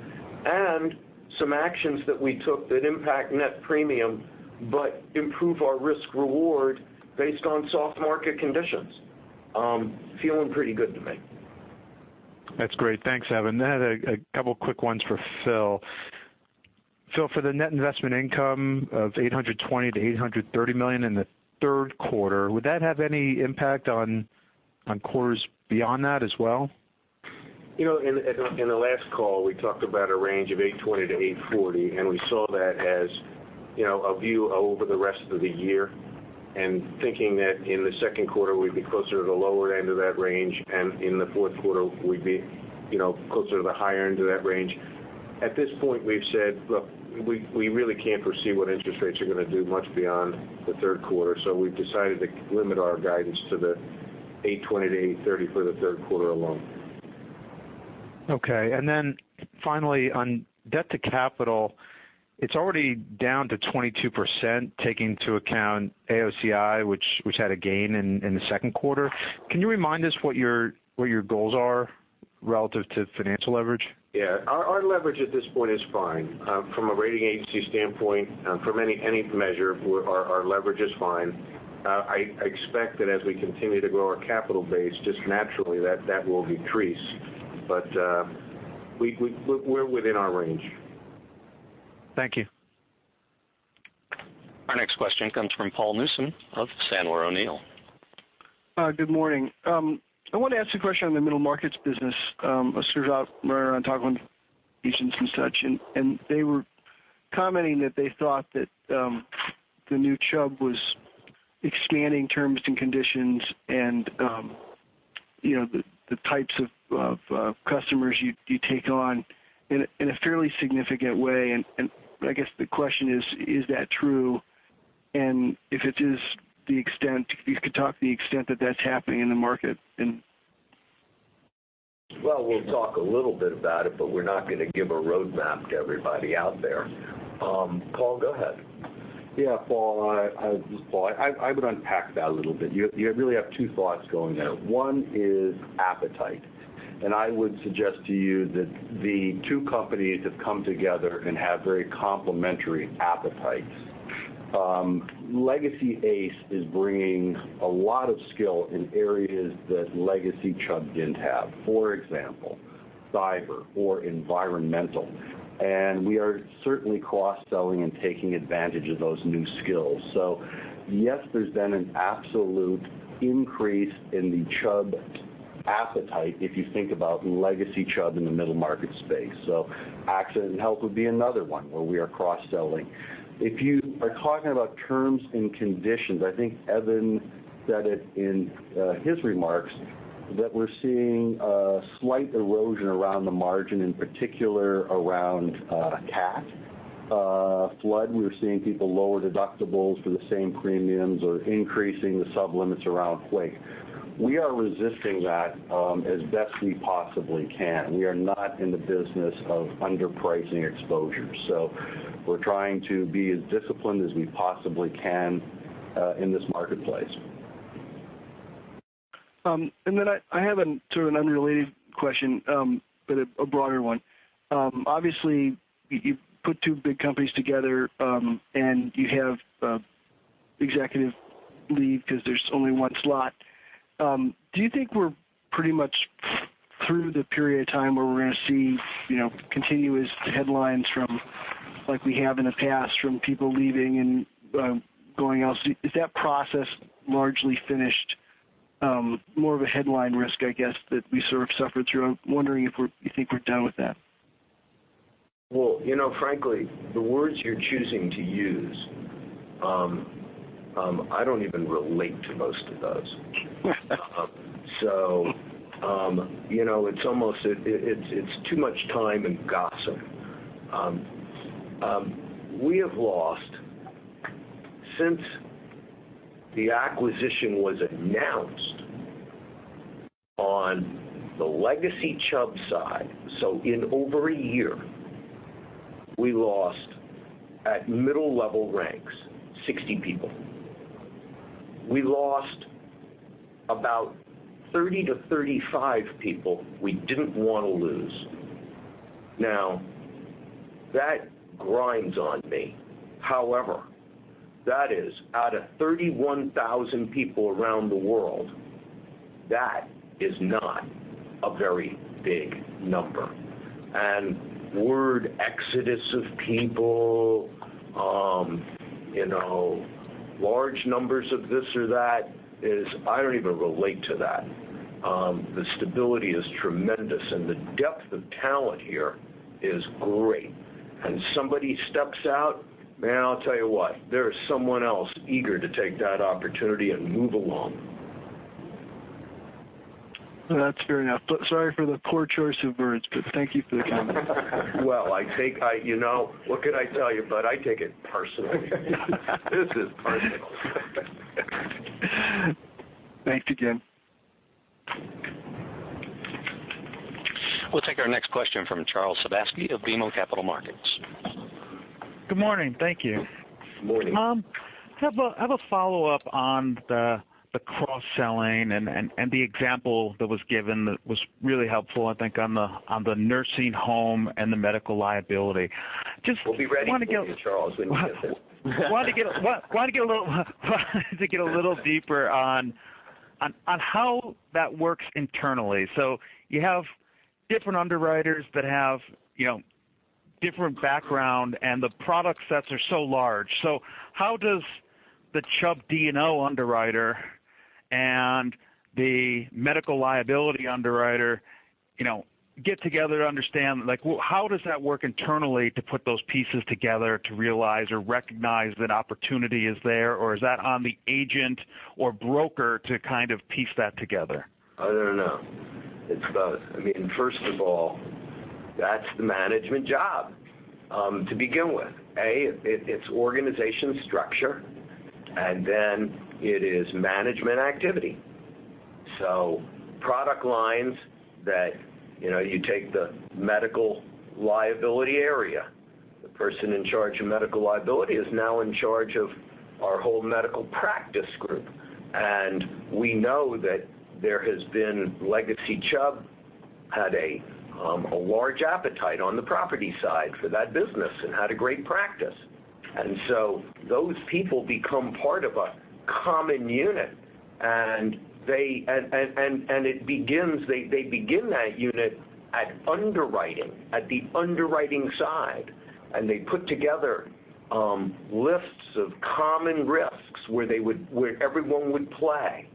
and some actions that we took that impact net premium but improve our risk/reward based on soft market conditions. Feeling pretty good to me. That's great. Thanks, Evan. I had a couple quick ones for Phil. Phil, for the net investment income of $820 million-$830 million in the third quarter, would that have any impact on quarters beyond that as well? In the last call, we talked about a range of $820 million-$840 million, we saw that as a view over the rest of the year. Thinking that in the second quarter, we'd be closer to the lower end of that range, in the fourth quarter, we'd be closer to the higher end of that range. At this point, we've said, look, we really can't foresee what interest rates are going to do much beyond the third quarter, we've decided to limit our guidance to the $820 million-$830 million for the third quarter alone. Okay. Finally, on debt to capital, it's already down to 22%, taking into account AOCI, which had a gain in the second quarter. Can you remind us what your goals are relative to financial leverage? Yeah. Our leverage at this point is fine. From a rating agency standpoint, from any measure, our leverage is fine. I expect that as we continue to grow our capital base, just naturally that will decrease. We're within our range. Thank you. Our next question comes from Paul Newsome of Sandler O'Neill. Good morning. I wanted to ask a question on the middle markets business. I was driving around talking to clients and such, and they were commenting that they thought that the new Chubb was expanding terms and conditions and the types of customers you take on in a fairly significant way. I guess the question is that true? If it is, if you could talk the extent that's happening in the market and Well, we'll talk a little bit about it, we're not going to give a roadmap to everybody out there. Paul, go ahead. Yeah. Paul Newsome, I would unpack that a little bit. You really have two thoughts going there. One is appetite. I would suggest to you that the two companies have come together and have very complementary appetites. Legacy ACE is bringing a lot of skill in areas that legacy Chubb didn't have. For example, cyber or environmental. We are certainly cross-selling and taking advantage of those new skills. Yes, there's been an absolute increase in the Chubb appetite if you think about legacy Chubb in the middle market space. A&H would be another one where we are cross-selling. If you are talking about terms and conditions, I think Evan said it in his remarks, that we're seeing a slight erosion around the margin, in particular around cat flood. We're seeing people lower deductibles for the same premiums or increasing the sub-limits around quake. We are resisting that as best we possibly can. We are not in the business of underpricing exposure. We're trying to be as disciplined as we possibly can in this marketplace. I have an unrelated question, a broader one. Obviously, you put two big companies together. You have executive leave because there's only one slot. Do you think we're pretty much through the period of time where we're going to see continuous headlines from, like we have in the past, from people leaving and going out? Is that process largely finished? More of a headline risk, I guess, that we sort of suffered through. I'm wondering if you think we're done with that. Frankly, the words you're choosing to use, I don't even relate to most of those. It's almost too much time and gossip. We have lost, since the acquisition was announced on the legacy Chubb side, in over a year, we lost at middle-level ranks, 60 people. We lost about 30 to 35 people we didn't want to lose. Now, that grinds on me. However, that is out of 31,000 people around the world. That is not a very big number. Word exodus of people, large numbers of this or that is, I don't even relate to that. The stability is tremendous. The depth of talent here is great. Somebody steps out, man, I'll tell you what, there is someone else eager to take that opportunity and move along. That's fair enough. Sorry for the poor choice of words, but thank you for the comment. Well, what can I tell you, bud? I take it personally. This is personal. Thanks again. We'll take our next question from Charles Sebaski of BMO Capital Markets. Good morning. Thank you. Good morning. I have a follow-up on the cross-selling and the example that was given that was really helpful, I think on the nursing home and the medical liability. We'll be ready for you, Charles, when you visit. Want to get a little deeper on how that works internally. You have different underwriters that have different background and the product sets are so large. How does the Chubb D&O underwriter and the medical liability underwriter get together to understand, how does that work internally to put those pieces together to realize or recognize that opportunity is there, or is that on the agent or broker to kind of piece that together? No, no. It's both. First of all, that's the management job to begin with. A, it's organization structure, then it is management activity. Product lines that you take the medical liability area, the person in charge of medical liability is now in charge of our whole medical practice group. We know that there has been legacy Chubb had a large appetite on the property side for that business and had a great practice. Those people become part of a common unit. They begin that unit at underwriting, at the underwriting side, and they put together lists of common risks where everyone would play.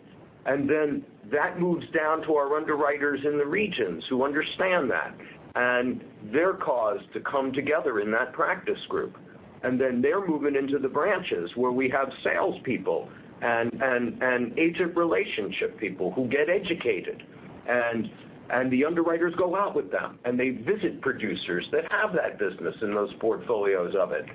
That moves down to our underwriters in the regions who understand that. They're caused to come together in that practice group. They're moving into the branches where we have salespeople and agent relationship people who get educated. The underwriters go out with them, and they visit producers that have that business and those portfolios of it.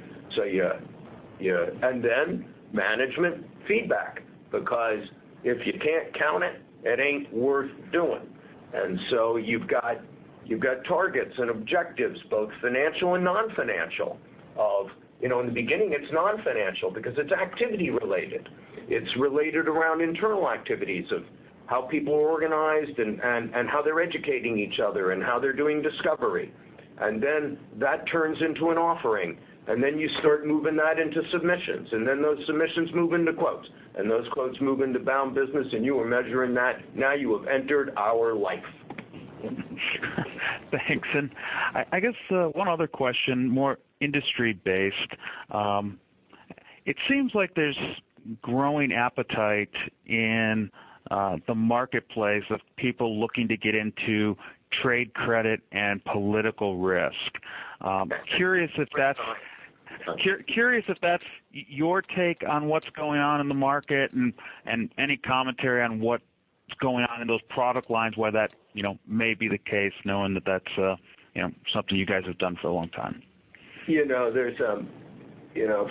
Management feedback, because if you can't count it ain't worth doing. You've got targets and objectives, both financial and non-financial. In the beginning, it's non-financial because it's activity related. It's related around internal activities of how people are organized and how they're educating each other and how they're doing discovery. That turns into an offering, you start moving that into submissions, those submissions move into quotes, those quotes move into bound business, and you are measuring that. Now you have entered our life. Thanks. I guess one other question, more industry based. It seems like there's growing appetite in the marketplace of people looking to get into trade credit and political risk. Curious if that's your take on what's going on in the market, and any commentary on what's going on in those product lines, why that may be the case, knowing that that's something you guys have done for a long time.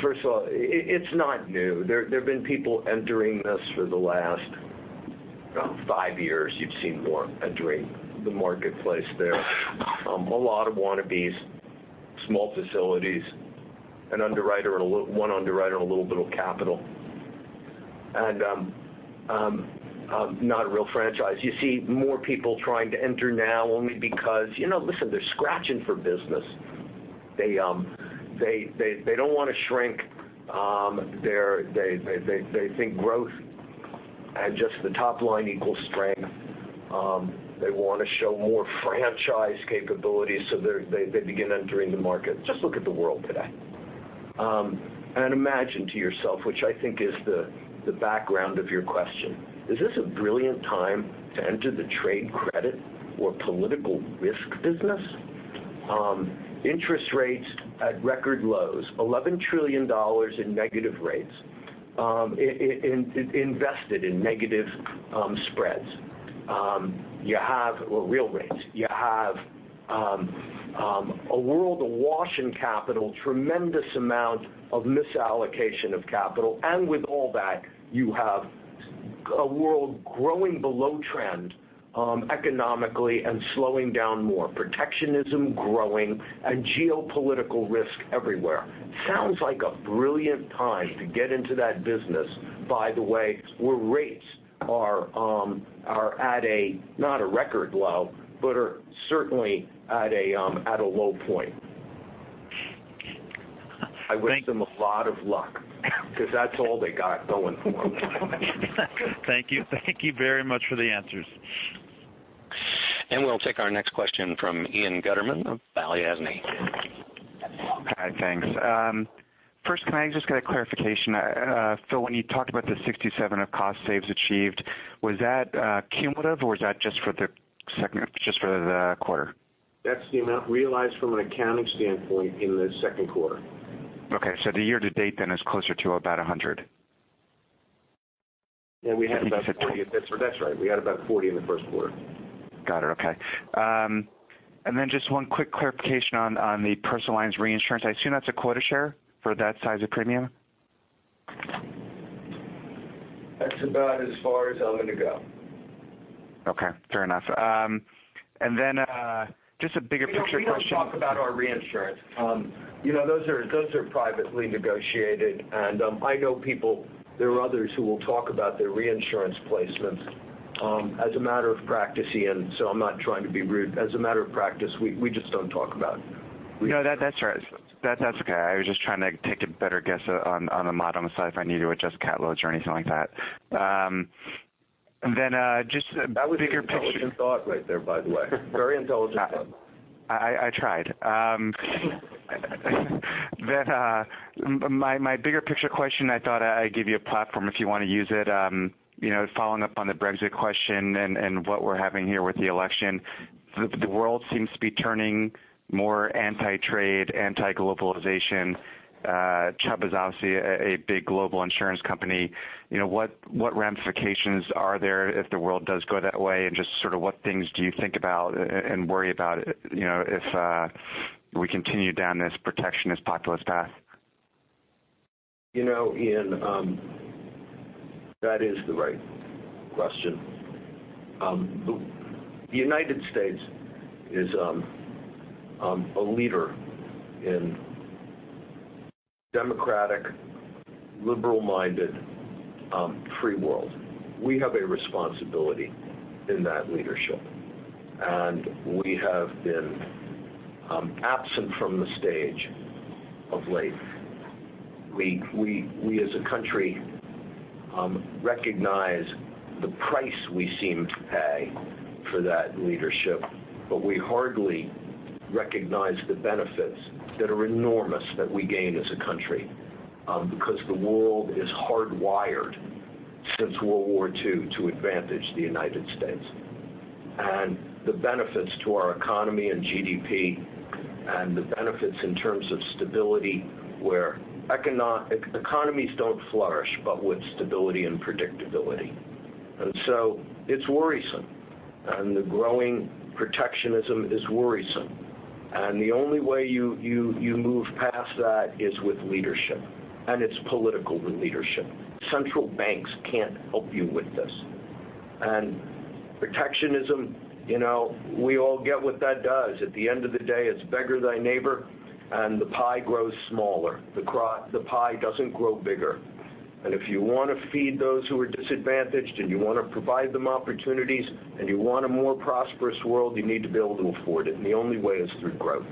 First of all, it's not new. There have been people entering this for the last five years. You've seen more entering the marketplace there. A lot of wannabes, small facilities, one underwriter, and a little bit of capital. Not a real franchise. You see more people trying to enter now only because, listen, they're scratching for business. They don't want to shrink. They think growth and just the top line equals strength. They want to show more franchise capabilities, so they begin entering the market. Just look at the world today. Imagine to yourself, which I think is the background of your question, is this a brilliant time to enter the trade credit or political risk business? Interest rates at record lows, $11 trillion in negative rates, invested in negative spreads. You have real rates. You have a world awash in capital, tremendous amount of misallocation of capital. With all that, you have a world growing below trend economically and slowing down more. Protectionism growing and geopolitical risk everywhere. Sounds like a brilliant time to get into that business, by the way, where rates are at a, not a record low, but are certainly at a low point. Thank you. I wish them a lot of luck because that's all they got going for them. Thank you. Thank you very much for the answers. We'll take our next question from Ian Gutterman of Balyasny. Hi, thanks. First, can I just get a clarification? Phil, when you talked about the 67 of cost saves achieved, was that cumulative or was that just for the quarter? That's the amount realized from an accounting standpoint in the second quarter. Okay, the year to date then is closer to about $100. Yeah, we had about $40. That's right. We had about $40 in the first quarter. Got it. Okay. Just one quick clarification on the personal lines reinsurance. I assume that's a quota share for that size of premium? That's about as far as I'm going to go. Okay, fair enough. Just a bigger picture question. We don't talk about our reinsurance. Those are privately negotiated, and I know people, there are others who will talk about their reinsurance placements. As a matter of practice, Ian. I'm not trying to be rude. As a matter of practice, we just don't talk about it. No, that's all right. That's okay. I was just trying to take a better guess on the model side if I need to adjust cat loads or anything like that. Just a bigger picture. That was an intelligent thought right there, by the way. Very intelligent thought. I tried. My bigger picture question, I thought I'd give you a platform if you want to use it, following up on the Brexit question and what we're having here with the election. The world seems to be turning more anti-trade, anti-globalization. Chubb is obviously a big global insurance company. What ramifications are there if the world does go that way? Just sort of what things do you think about and worry about if we continue down this protectionist, populist path? Ian, that is the right question. The United States is a leader in democratic, liberal-minded free world. We have a responsibility in that leadership, and we have been absent from the stage of late. We as a country recognize the price we seem to pay for that leadership, but we hardly recognize the benefits that are enormous that we gain as a country, because the world is hardwired since World War II to advantage the United States. The benefits to our economy and GDP and the benefits in terms of stability, where economies don't flourish but with stability and predictability. It's worrisome, and the growing protectionism is worrisome. The only way you move past that is with leadership, and it's political with leadership. Central banks can't help you with this. Protectionism, we all get what that does. At the end of the day, it's beggar thy neighbor, and the pie grows smaller. The pie doesn't grow bigger. If you want to feed those who are disadvantaged and you want to provide them opportunities and you want a more prosperous world, you need to be able to afford it, and the only way is through growth.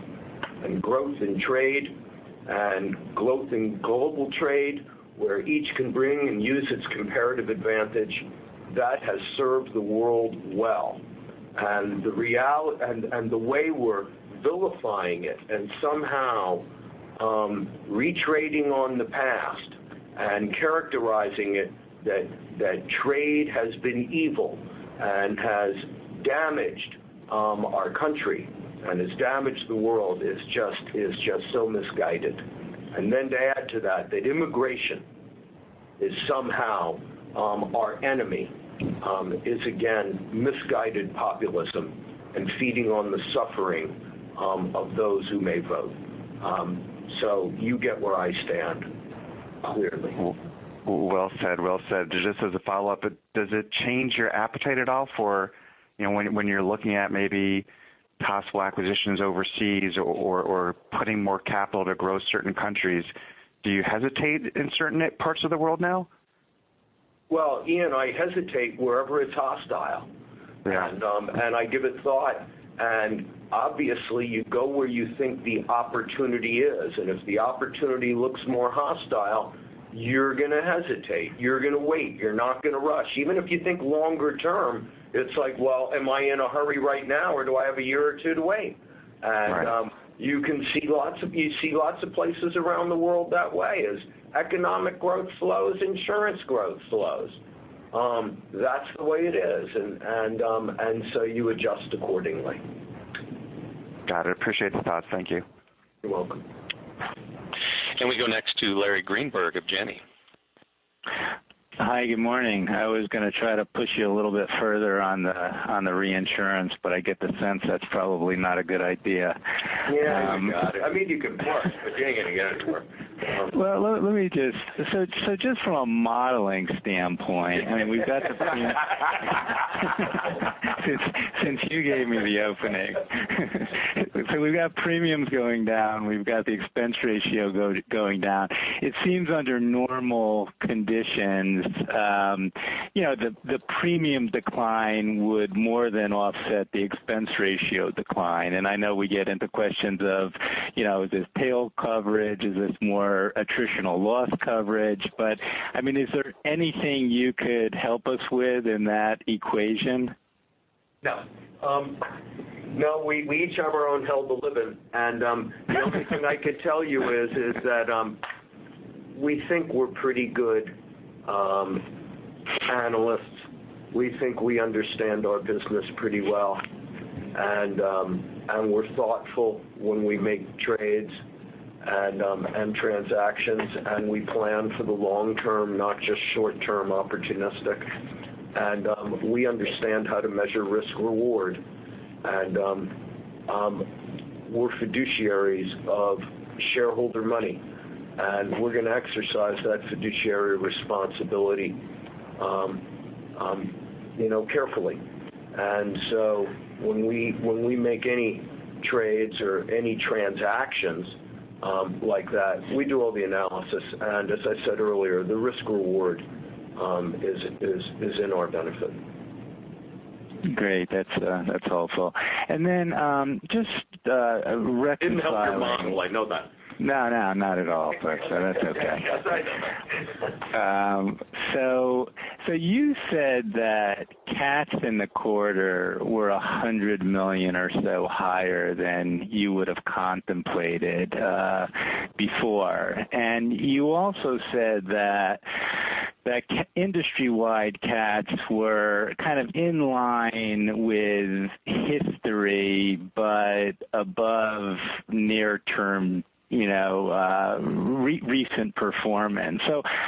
Growth in trade and growth in global trade, where each can bring and use its comparative advantage, that has served the world well. The way we're vilifying it and somehow retreading on the past and characterizing it that trade has been evil and has damaged our country and has damaged the world is just so misguided. Then to add to that immigration is somehow our enemy, is again, misguided populism and feeding on the suffering of those who may vote. You get where I stand, clearly. Well said. Just as a follow-up, does it change your appetite at all for when you're looking at maybe possible acquisitions overseas or putting more capital to grow certain countries, do you hesitate in certain parts of the world now? Well, Ian, I hesitate wherever it's hostile. Yeah. I give it thought, obviously you go where you think the opportunity is, if the opportunity looks more hostile, you're going to hesitate. You're going to wait. You're not going to rush. Even if you think longer term, it's like, well, am I in a hurry right now, or do I have a year or two to wait? Right. You see lots of places around the world that way. As economic growth slows, insurance growth slows. That's the way it is, you adjust accordingly. Got it. Appreciate the thought. Thank you. You're welcome. We go next to Larry Greenberg of Janney. Hi, good morning. I was going to try to push you a little bit further on the reinsurance, but I get the sense that's probably not a good idea. Yeah. Got it. You can push, but you ain't going to get anywhere. Just from a modeling standpoint. Since you gave me the opening. We've got premiums going down, we've got the expense ratio going down. It seems under normal conditions, the premium decline would more than offset the expense ratio decline. I know we get into questions of, is this tail coverage? Is this more attritional loss coverage? Is there anything you could help us with in that equation? No. We each have our own hell to live in. The only thing I could tell you is that we think we're pretty good analysts. We think we understand our business pretty well, and we're thoughtful when we make trades and transactions, and we plan for the long term, not just short term opportunistic. We understand how to measure risk reward, and we're fiduciaries of shareholder money, and we're going to exercise that fiduciary responsibility carefully. When we make any trades or any transactions like that, we do all the analysis, and as I said earlier, the risk reward is in our benefit. Great. That's helpful. Didn't help your model, I know that. No, not at all. That's okay. I know. You said that cats in the quarter were $100 million or so higher than you would have contemplated before. You also said that industry-wide cats were kind of in line with history, but above near term recent performance.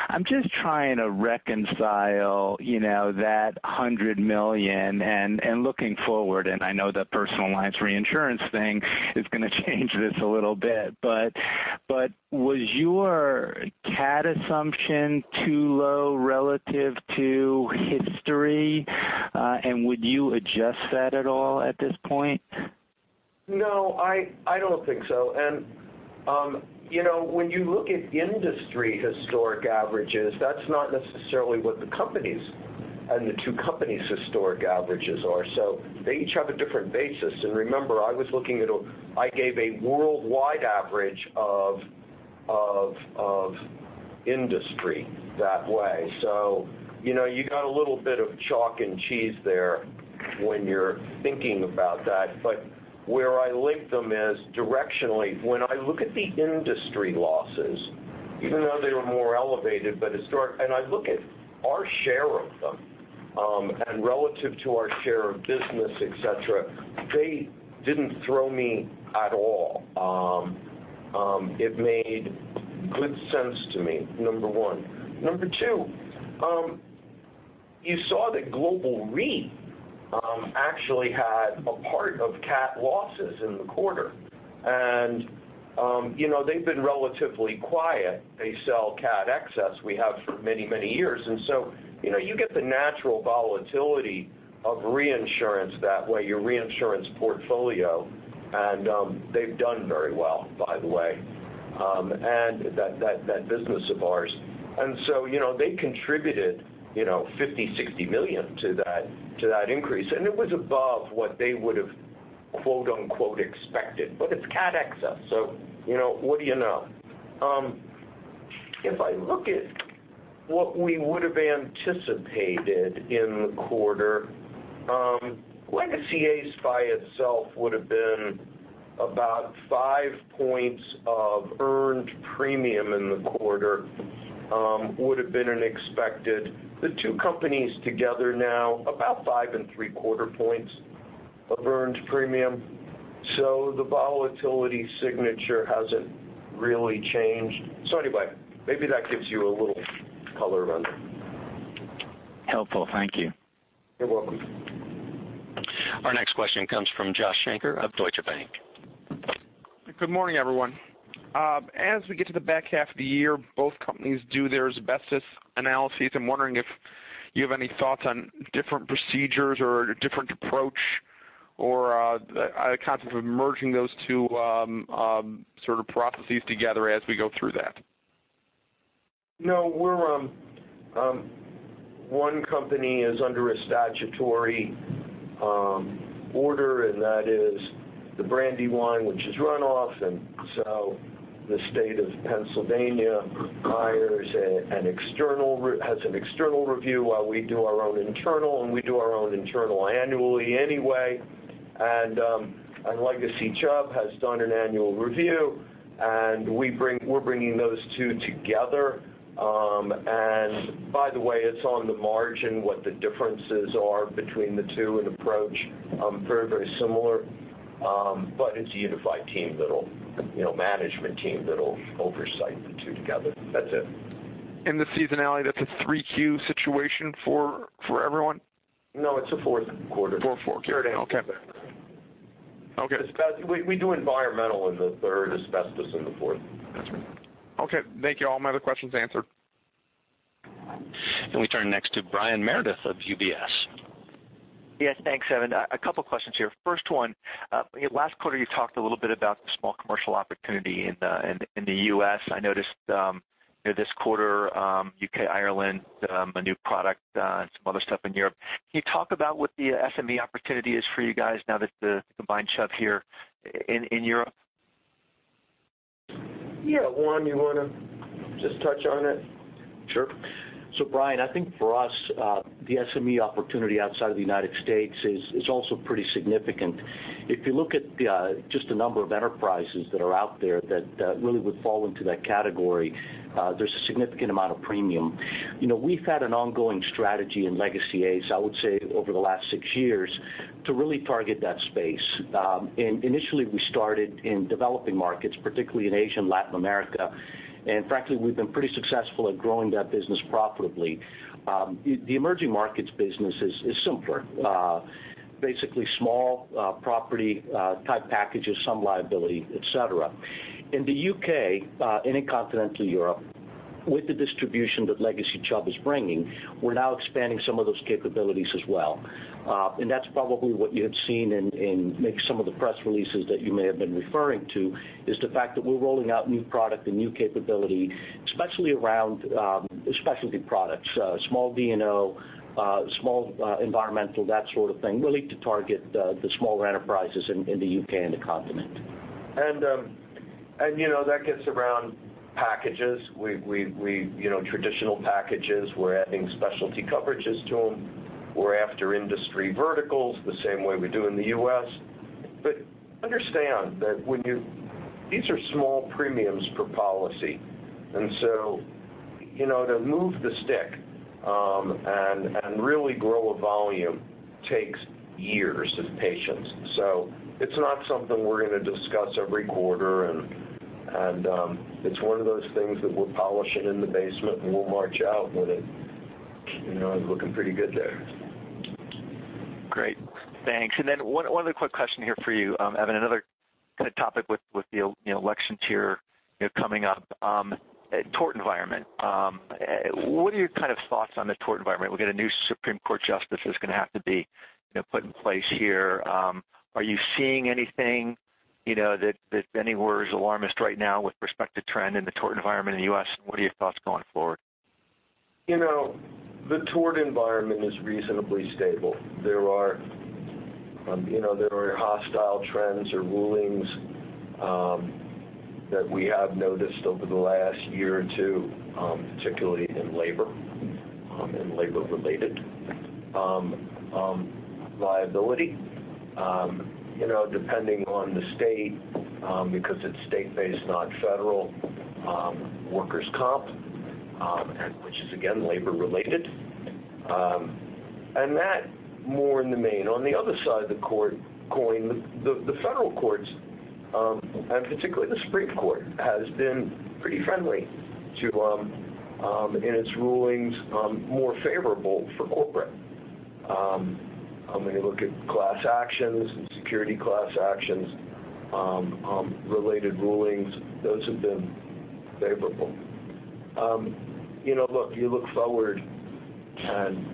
I'm just trying to reconcile that $100 million and looking forward, and I know the personal lines reinsurance thing is going to change this a little bit, but was your cat assumption too low relative to history? Would you adjust that at all at this point? No, I don't think so. When you look at industry historic averages, that's not necessarily what the two companies' historic averages are. They each have a different basis. Remember, I gave a worldwide average of industry that way. You got a little bit of chalk and cheese there when you're thinking about that. But where I link them is directionally, when I look at the industry losses, even though they were more elevated, and I look at our share of them, and relative to our share of business, et cetera, they didn't throw me at all. It made good sense to me, number one. Number two, you saw that Global Reinsurance actually had a part of cat losses in the quarter. They've been relatively quiet. They sell cat excess. We have for many, many years. You get the natural volatility of reinsurance that way, your reinsurance portfolio, and they've done very well, by the way, in that business of ours. They contributed $50 million-$60 million to that increase. It was above what they would've, quote unquote, expected, but it's cat excess. What do you know? If I look at what we would've anticipated in the quarter, Legacy ACE by itself would've been about five points of earned premium in the quarter, would've been unexpected. The two companies together now, about five and three quarter points of earned premium. The volatility signature hasn't really changed. Anyway, maybe that gives you a little color on that. Helpful. Thank you. You're welcome. Our next question comes from Joshua Shanker of Deutsche Bank. Good morning, everyone. As we get to the back half of the year, both companies do their asbestos analyses. I'm wondering if you have any thoughts on different procedures or a different approach, or a concept of merging those two sort of processes together as we go through that. No. One company is under a statutory order, and that is the Brandywine, which is runoff. The state of Pennsylvania has an external review while we do our own internal, and we do our own internal annually anyway. Legacy Chubb has done an annual review, and we're bringing those two together. By the way, it's on the margin what the differences are between the two in approach. Very similar. It's a unified management team that'll oversight the two together. That's it. The seasonality, that's a three Q situation for everyone? No, it's a fourth quarter. Fourth quarter. Okay. Third and fourth quarter. Okay. We do environmental in the third, asbestos in the fourth. That's right. Okay. Thank you. All my other questions are answered. We turn next to Brian Meredith of UBS. Yes, thanks, Evan. A couple questions here. First one, last quarter you talked a little bit about the small commercial opportunity in the U.S. I noticed this quarter, U.K., Ireland, a new product, and some other stuff in Europe. Can you talk about what the SME opportunity is for you guys now that the combined Chubb here in Europe? Juan, you want to just touch on it? Sure. Brian, I think for us, the SME opportunity outside of the United States is also pretty significant. If you look at just the number of enterprises that are out there that really would fall into that category, there's a significant amount of premium. We've had an ongoing strategy in Legacy ACE, I would say, over the last six years to really target that space. Initially we started in developing markets, particularly in Asia and Latin America. Frankly, we've been pretty successful at growing that business profitably. The emerging markets business is simpler. Basically small property type packages, some liability, et cetera. In the U.K. and in continental Europe, with the distribution that Legacy Chubb is bringing, we're now expanding some of those capabilities as well. That's probably what you have seen in maybe some of the press releases that you may have been referring to, is the fact that we're rolling out new product and new capability, especially around specialty products, small D&O, small environmental, that sort of thing, really to target the smaller enterprises in the U.K. and the continent. That gets around packages. Traditional packages, we're adding specialty coverages to them. We're after industry verticals the same way we do in the U.S. Understand that these are small premiums per policy. To move the stick and really grow a volume takes years of patience. It's not something we're going to discuss every quarter, and it's one of those things that we're polishing in the basement, and we'll march out with it. It's looking pretty good there. Great. Thanks. One other quick question here for you, Evan. Another kind of topic with the [election year] coming up. Tort environment. What are your kind of thoughts on the tort environment? We've got a new Supreme Court justice that's going to have to be put in place here. Are you seeing anything That many were as alarmist right now with respect to trend in the tort environment in the U.S. What are your thoughts going forward? The tort environment is reasonably stable. There are hostile trends or rulings that we have noticed over the last year or two, particularly in labor and labor-related liability, depending on the state, because it's state-based, not federal, workers' comp, which is again, labor-related. That more in the main. On the other side of the coin, the federal courts, and particularly the Supreme Court, has been pretty friendly to, in its rulings, more favorable for corporate. When you look at class actions and security class actions, related rulings, those have been favorable. Look, you look forward and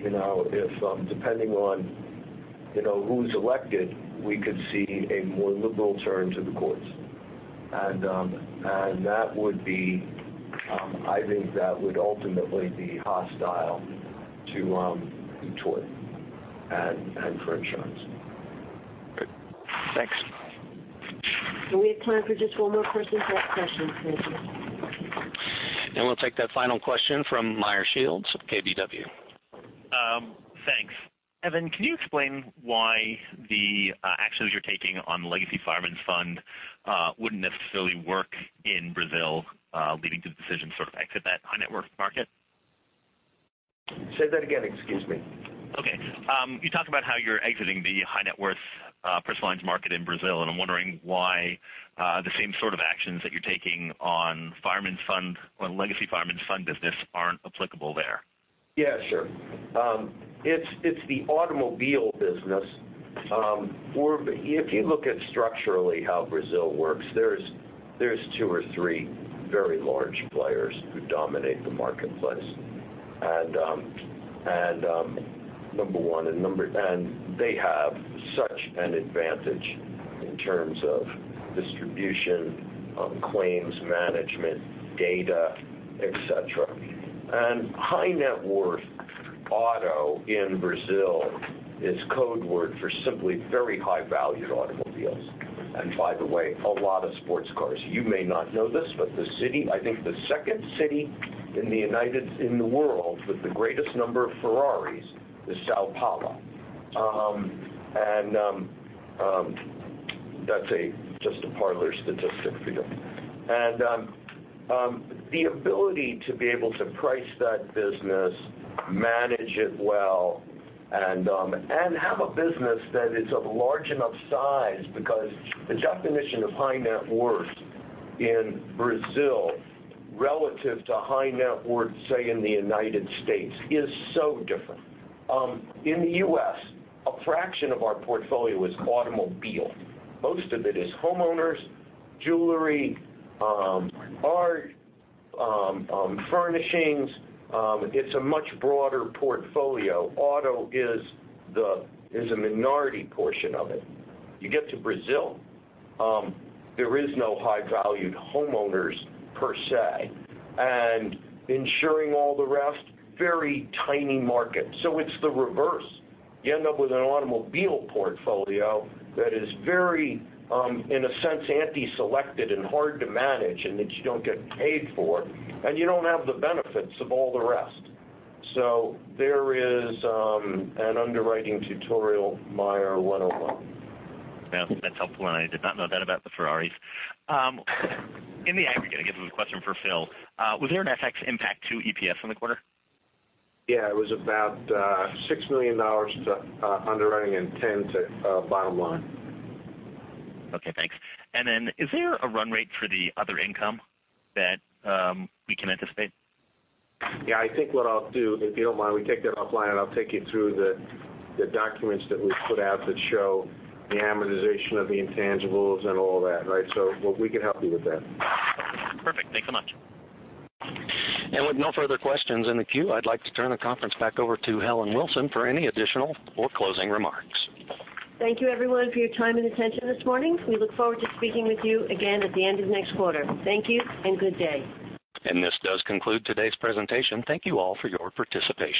if, depending on who's elected, we could see a more liberal turn to the courts. I think that would ultimately be hostile to tort and for insurance. Good. Thanks. We have time for just one more person per session. Thank you. We'll take that final question from Meyer Shields of KBW. Thanks. Evan, can you explain why the actions you're taking on the Legacy Fireman's Fund wouldn't necessarily work in Brazil, leading to the decision to sort of exit that high net worth market? Say that again. Excuse me. Okay. You talk about how you're exiting the high net worth personal lines market in Brazil. I'm wondering why the same sort of actions that you're taking on Legacy Fireman's Fund business aren't applicable there. Yeah, sure. It's the automobile business. If you look at structurally how Brazil works, there's two or three very large players who dominate the marketplace. Number one, they have such an advantage in terms of distribution, claims management, data, et cetera. High net worth auto in Brazil is code word for simply very high-valued automobiles. By the way, a lot of sports cars. You may not know this, but I think the second city in the world with the greatest number of Ferraris is São Paulo. That's just a parlor statistic for you. The ability to be able to price that business, manage it well, and have a business that is of large enough size because the definition of high net worth in Brazil relative to high net worth, say, in the United States, is so different. In the U.S., a fraction of our portfolio is automobile. Most of it is homeowners, jewelry, art, furnishings. It's a much broader portfolio. Auto is a minority portion of it. You get to Brazil, there is no high-valued homeowners per se. Insuring all the rest, very tiny market. It's the reverse. You end up with an automobile portfolio that is very, in a sense, anti-selected and hard to manage that you don't get paid for, you don't have the benefits of all the rest. There is an underwriting tutorial, Meyer 101. Yeah. That's helpful. I did not know that about the Ferraris. In the aggregate, I guess this is a question for Phil. Was there an FX impact to EPS in the quarter? Yeah, it was about $6 million to underwriting and $10 to bottom line. Okay, thanks. Is there a run rate for the other income that we can anticipate? Yeah, I think what I'll do, if you don't mind, we take that offline and I'll take you through the documents that we put out that show the amortization of the intangibles and all that, right? We can help you with that. Perfect. Thanks so much. With no further questions in the queue, I'd like to turn the conference back over to Helen Wilson for any additional or closing remarks. Thank you everyone for your time and attention this morning. We look forward to speaking with you again at the end of next quarter. Thank you and good day. This does conclude today's presentation. Thank you all for your participation.